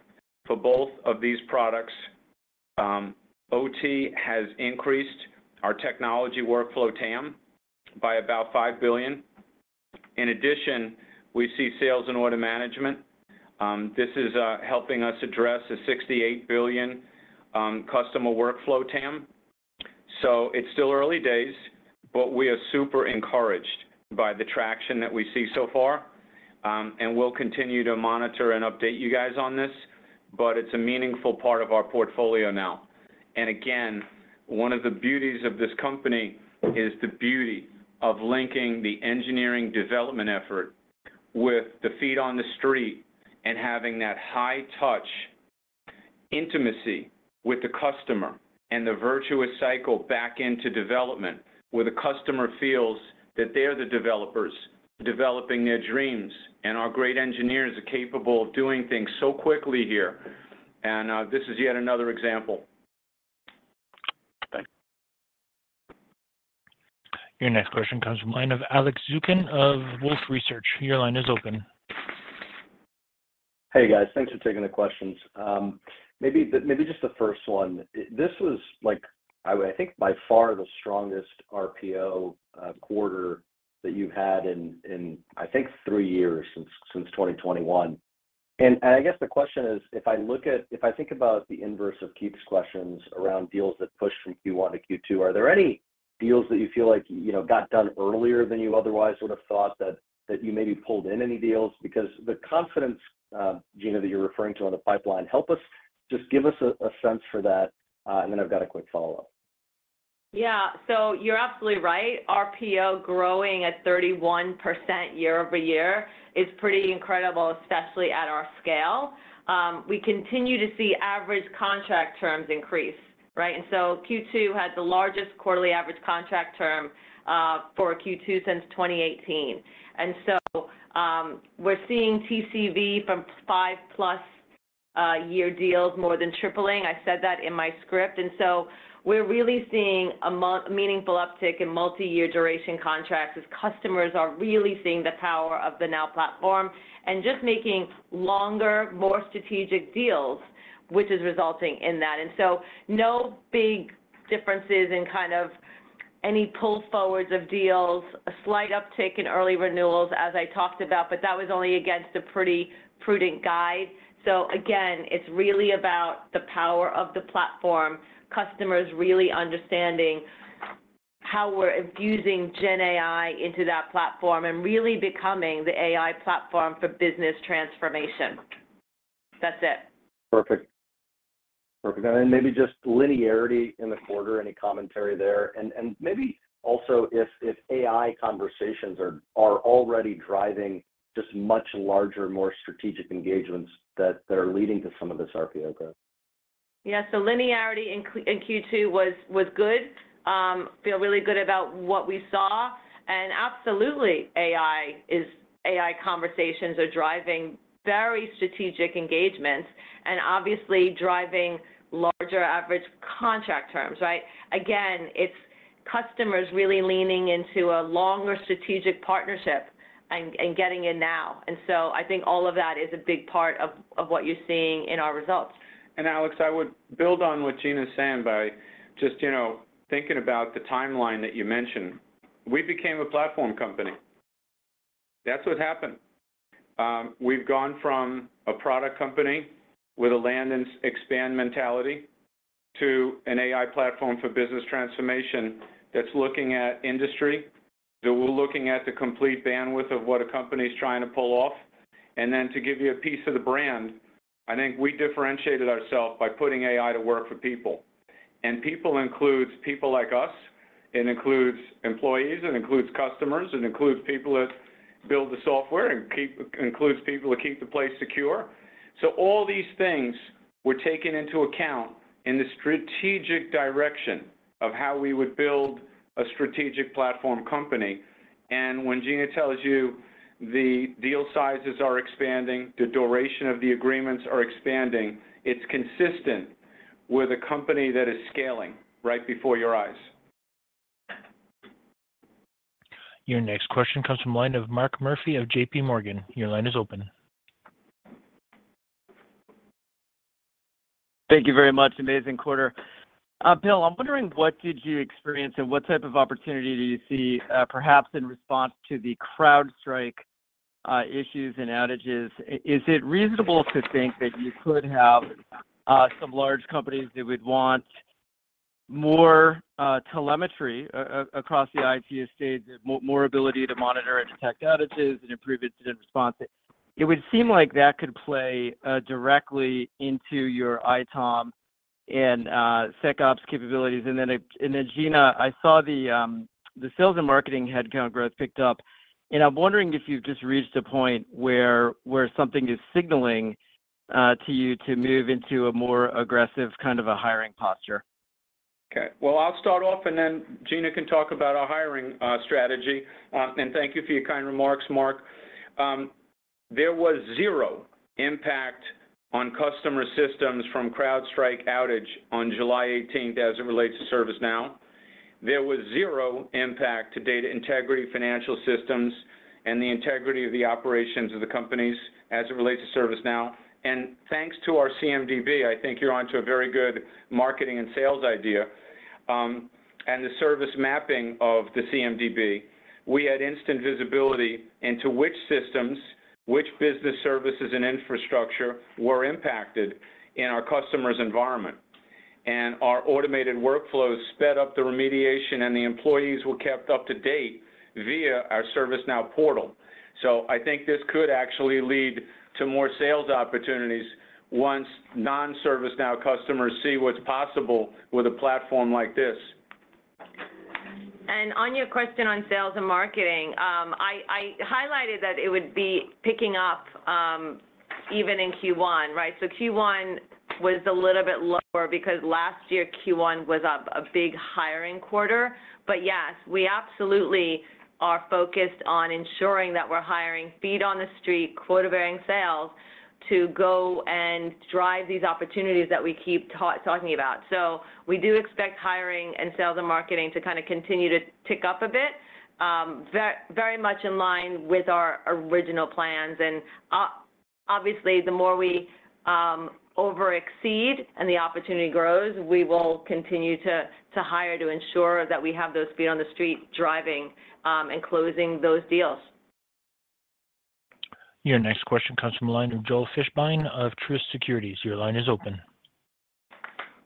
for both of these products. OT has increased our technology workflow TAM by about $5 billion. In addition, we see Sales and Order Management. This is helping us address a $68 billion customer workflow TAM. It's still early days, but we are super encouraged by the traction that we see so far. We'll continue to monitor and update you guys on this. It's a meaningful part of our portfolio now. And again, one of the beauties of this company is the beauty of linking the engineering development effort with the feet on the street and having that high-touch intimacy with the customer and the virtuous cycle back into development where the customer feels that they're the developers developing their dreams. And our great engineers are capable of doing things so quickly here. And this is yet another example. Thanks. Your next question comes from the line of Alex Zukin of Wolfe Research. Your line is open. Hey, guys. Thanks for taking the questions. Maybe just the first one. This was, I think, by far the strongest RPO quarter that you've had in, I think, three years since 2021. I guess the question is, if I look at if I think about the inverse of Keith's questions around deals that push from Q1 to Q2, are there any deals that you feel like got done earlier than you otherwise would have thought that you maybe pulled in any deals? Because the confidence, Gina, that you're referring to on the pipeline, help us just give us a sense for that. And then I've got a quick follow-up. Yeah. So you're absolutely right. RPO growing at 31% year-over-year is pretty incredible, especially at our scale. We continue to see average contract terms increase. Right? And so Q2 had the largest quarterly average contract term for Q2 since 2018. And so we're seeing TCV from 5+ year deals more than tripling. I said that in my script. And so we're really seeing a meaningful uptick in multi-year duration contracts as customers are really seeing the power of the Now Platform and just making longer, more strategic deals, which is resulting in that. And so no big differences in kind of any pulls forwards of deals, a slight uptick in early renewals, as I talked about. But that was only against a pretty prudent guide. So again, it's really about the power of the platform, customers really understanding how we're infusing GenAI into that platform and really becoming the AI platform for business transformation. That's it. Perfect. Perfect. And then maybe just linearity in the quarter, any commentary there? And maybe also if AI conversations are already driving just much larger, more strategic engagements that are leading to some of this RPO growth. Yeah. So linearity in Q2 was good. Feel really good about what we saw. Absolutely, AI conversations are driving very strategic engagements and obviously driving larger average contract terms. Right? Again, it's customers really leaning into a longer strategic partnership and getting in now. And so I think all of that is a big part of what you're seeing in our results. And Alex, I would build on what Gina's saying by just thinking about the timeline that you mentioned. We became a platform company. That's what happened. We've gone from a product company with a land and expand mentality to an AI platform for business transformation that's looking at industry. We're looking at the complete bandwidth of what a company is trying to pull off. And then to give you a piece of the brand, I think we differentiated ourselves by putting AI to work for people. And people includes people like us. It includes employees. It includes customers. It includes people that build the software and includes people to keep the place secure. So all these things were taken into account in the strategic direction of how we would build a strategic platform company. And when Gina tells you the deal sizes are expanding, the duration of the agreements are expanding, it's consistent with a company that is scaling right before your eyes. Your next question comes from the line of Mark Murphy of JPMorgan. Your line is open. Thank you very much. Amazing quarter. Bill, I'm wondering what did you experience and what type of opportunity do you see perhaps in response to the CrowdStrike issues and outages? Is it reasonable to think that you could have some large companies that would want more telemetry across the IT estate, more ability to monitor and detect outages and improve incident response? It would seem like that could play directly into your ITOM and SecOps capabilities. Then, Gina, I saw the sales and marketing headcount growth picked up. And I'm wondering if you've just reached a point where something is signaling to you to move into a more aggressive kind of a hiring posture. Okay. Well, I'll start off. Then Gina can talk about our hiring strategy. Thank you for your kind remarks, Mark. There was zero impact on customer systems from CrowdStrike outage on July 18th as it relates to ServiceNow. There was zero impact to data integrity, financial systems, and the integrity of the operations of the companies as it relates to ServiceNow. Thanks to our CMDB, I think you're on to a very good marketing and sales idea. The service mapping of the CMDB, we had instant visibility into which systems, which business services, and infrastructure were impacted in our customer's environment. Our automated workflows sped up the remediation. The employees were kept up to date via our ServiceNow portal. So I think this could actually lead to more sales opportunities once non-ServiceNow customers see what's possible with a platform like this. On your question on sales and marketing, I highlighted that it would be picking up even in Q1. Right? So Q1 was a little bit lower because last year, Q1 was a big hiring quarter. But yes, we absolutely are focused on ensuring that we're hiring feet on the street, quota-bearing sales to go and drive these opportunities that we keep talking about. So we do expect hiring and sales and marketing to kind of continue to tick up a bit, very much in line with our original plans. And obviously, the more we overachieve and the opportunity grows, we will continue to hire to ensure that we have those feet on the street driving and closing those deals. Your next question comes from the line of Joel Fishbein of Truist Securities. Your line is open.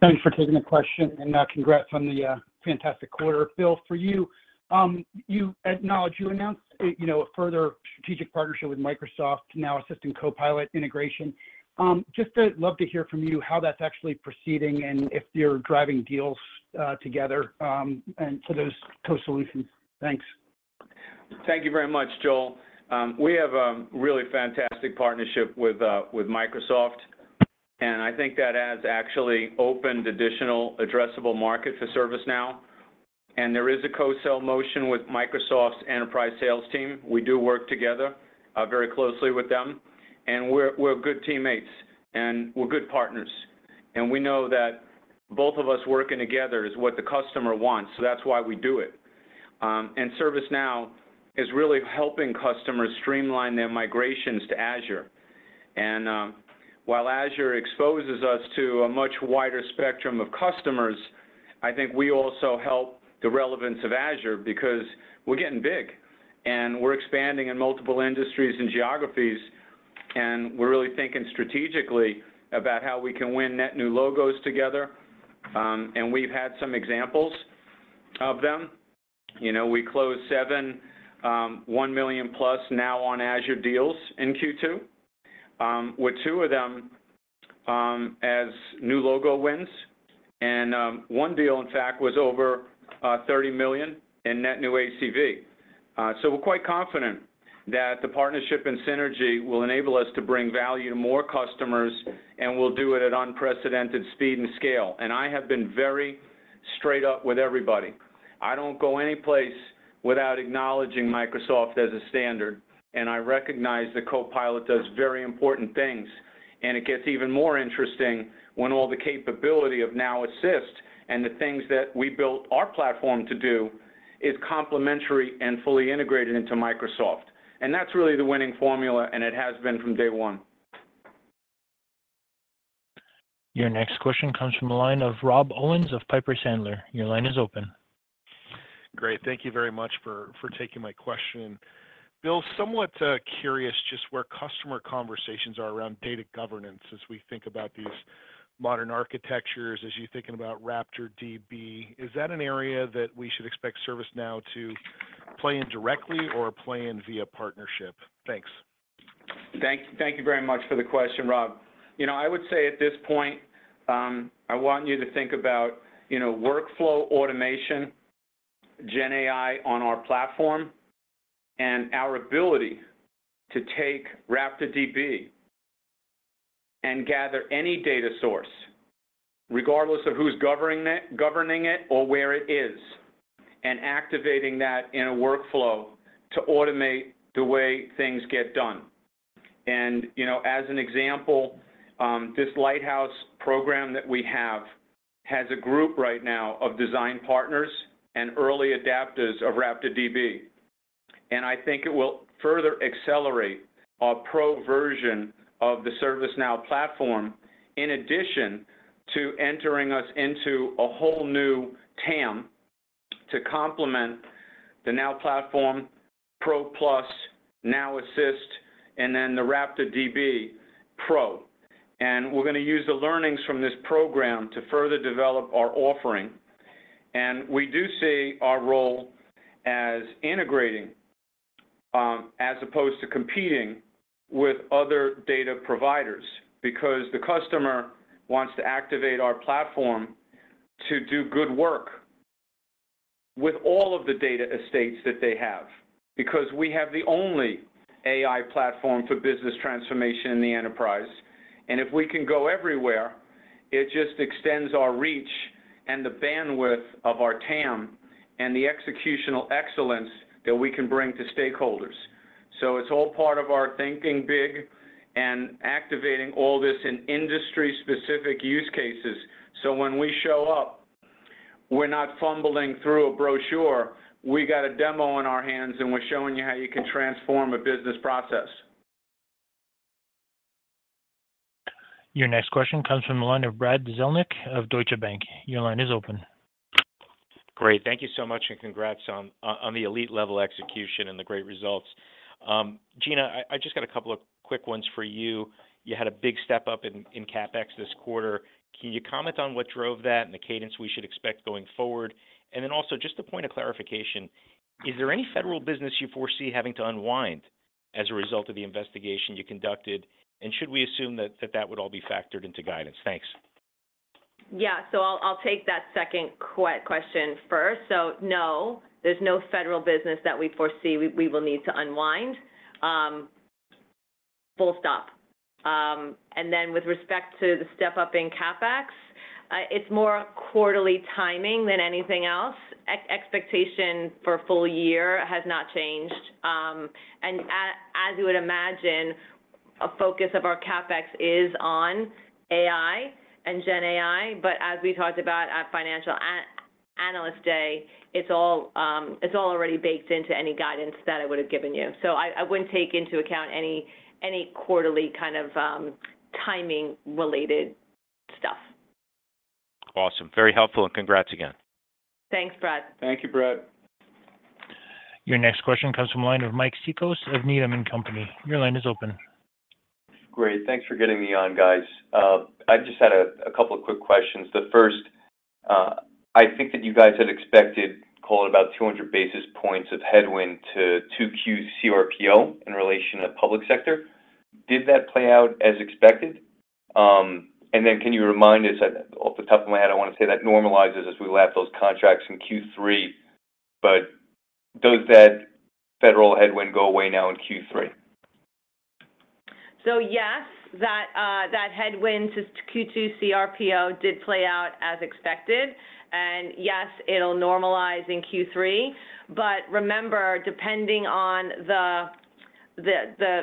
Thanks for taking the question. And congrats on the fantastic quarter. Bill, for you, you acknowledged you announced a further strategic partnership with Microsoft, Now Assist in Copilot integration. Just love to hear from you how that's actually proceeding and if you're driving deals together for those co-solutions. Thanks. Thank you very much, Joel. We have a really fantastic partnership with Microsoft. And I think that has actually opened additional addressable market for ServiceNow. There is a co-sale motion with Microsoft's enterprise sales team. We do work together very closely with them. We're good teammates. We're good partners. We know that both of us working together is what the customer wants. So that's why we do it. ServiceNow is really helping customers streamline their migrations to Azure. While Azure exposes us to a much wider spectrum of customers, I think we also help the relevance of Azure because we're getting big. We're expanding in multiple industries and geographies. We're really thinking strategically about how we can win net new logos together. We've had some examples of them. We closed seven $1 million+ Now on Azure deals in Q2, with 2 of them as new logo wins. One deal, in fact, was over $30 million in net new ACV. So we're quite confident that the partnership and synergy will enable us to bring value to more customers. And we'll do it at unprecedented speed and scale. And I have been very straight up with everybody. I don't go any place without acknowledging Microsoft as a standard. And I recognize that Copilot does very important things. And it gets even more interesting when all the capability of Now Assist and the things that we built our platform to do is complementary and fully integrated into Microsoft. And that's really the winning formula. And it has been from day one. Your next question comes from the line of Rob Owens of Piper Sandler. Your line is open. Great. Thank you very much for taking my question. Bill, somewhat curious just where customer conversations are around data governance as we think about these modern architectures, as you're thinking about RaptorDB. Is that an area that we should expect ServiceNow to play in directly or play in via partnership? Thanks. Thank you very much for the question, Rob. I would say at this point, I want you to think about workflow automation, GenAI on our platform, and our ability to take RaptorDB and gather any data source, regardless of who's governing it or where it is, and activating that in a workflow to automate the way things get done. And as an example, this Lighthouse program that we have has a group right now of design partners and early adopters of RaptorDB. And I think it will further accelerate our Pro version of the ServiceNow platform in addition to entering us into a whole new TAM to complement the Now Platform, Pro Plus, Now Assist, and then the RaptorDB Pro. We're going to use the learnings from this program to further develop our offering. We do see our role as integrating as opposed to competing with other data providers because the customer wants to activate our platform to do good work with all of the data estates that they have because we have the only AI platform for business transformation in the enterprise. If we can go everywhere, it just extends our reach and the bandwidth of our TAM and the executional excellence that we can bring to stakeholders. It's all part of our thinking big and activating all this in industry-specific use cases. When we show up, we're not fumbling through a brochure. We got a demo in our hands. We're showing you how you can transform a business process. Your next question comes from the line of Brad Zelnick of Deutsche Bank. Your line is open. Great. Thank you so much. And congrats on the elite-level execution and the great results. Gina, I just got a couple of quick ones for you. You had a big step up in CapEx this quarter. Can you comment on what drove that and the cadence we should expect going forward? And then also just a point of clarification, is there any federal business you foresee having to unwind as a result of the investigation you conducted? And should we assume that that would all be factored into guidance? Thanks. Yeah. So I'll take that second question first. So no, there's no federal business that we foresee we will need to unwind. Full stop. And then with respect to the step up in CapEx, it's more quarterly timing than anything else. Expectation for full year has not changed. And as you would imagine, a focus of our CapEx is on AI and GenAI. But as we talked about at Financial Analyst Day, it's all already baked into any guidance that I would have given you. So I wouldn't take into account any quarterly kind of timing-related stuff. Awesome. Very helpful. And congrats again. Thanks, Brad. Thank you, Brad. Your next question comes from the line of Mike Cikos of Needham & Company. Your line is open. Great. Thanks for getting me on, guys. I just had a couple of quick questions. The first, I think that you guys had expected call it about 200 basis points of headwind to 2Q cRPO in relation to public sector. Did that play out as expected? And then can you remind us off the top of my head, I want to say that normalizes as we left those contracts in Q3. But does that federal headwind go away now in Q3? So yes, that headwind to Q2 cRPO did play out as expected. And yes, it'll normalize in Q3. But remember, depending on the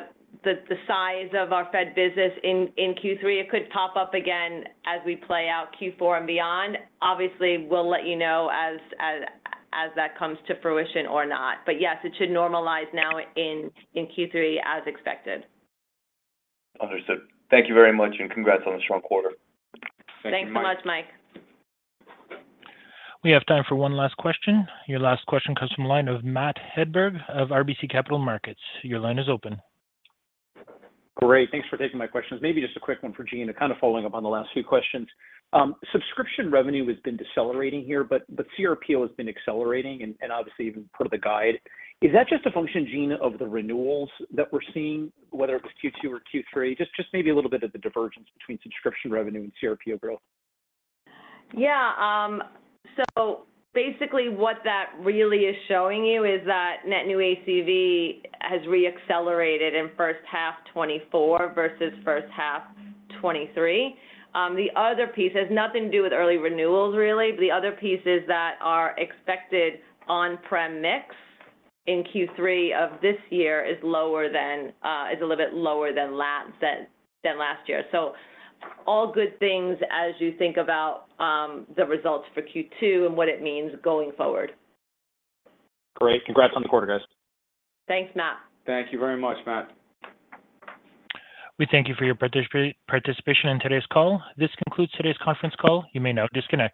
size of our Fed business in Q3, it could pop up again as we play out Q4 and beyond. Obviously, we'll let you know as that comes to fruition or not. But yes, it should normalize now in Q3 as expected. Understood. Thank you very much. And congrats on a strong quarter. Thanks so much, Mike. We have time for one last question. Your last question comes from the line of Matt Hedberg of RBC Capital Markets. Your line is open. Great. Thanks for taking my questions. Maybe just a quick one for Gina, kind of following up on the last few questions. Subscription revenue has been decelerating here, but cRPO has been accelerating and obviously even part of the guide. Is that just a function, Gina, of the renewals that we're seeing, whether it's Q2 or Q3? Just maybe a little bit of the divergence between subscription revenue and cRPO growth. Yeah. So basically, what that really is showing you is that net new ACV has re-accelerated in first half 2024 versus first half 2023. The other piece has nothing to do with early renewals, really. But the other pieces that are expected on-prem mix in Q3 of this year is a little bit lower than last year. So all good things as you think about the results for Q2 and what it means going forward. Great. Congrats on the quarter, guys. Thanks, Matt. Thank you very much, Matt. We thank you for your participation in today's call. This concludes today's conference call. You may now disconnect.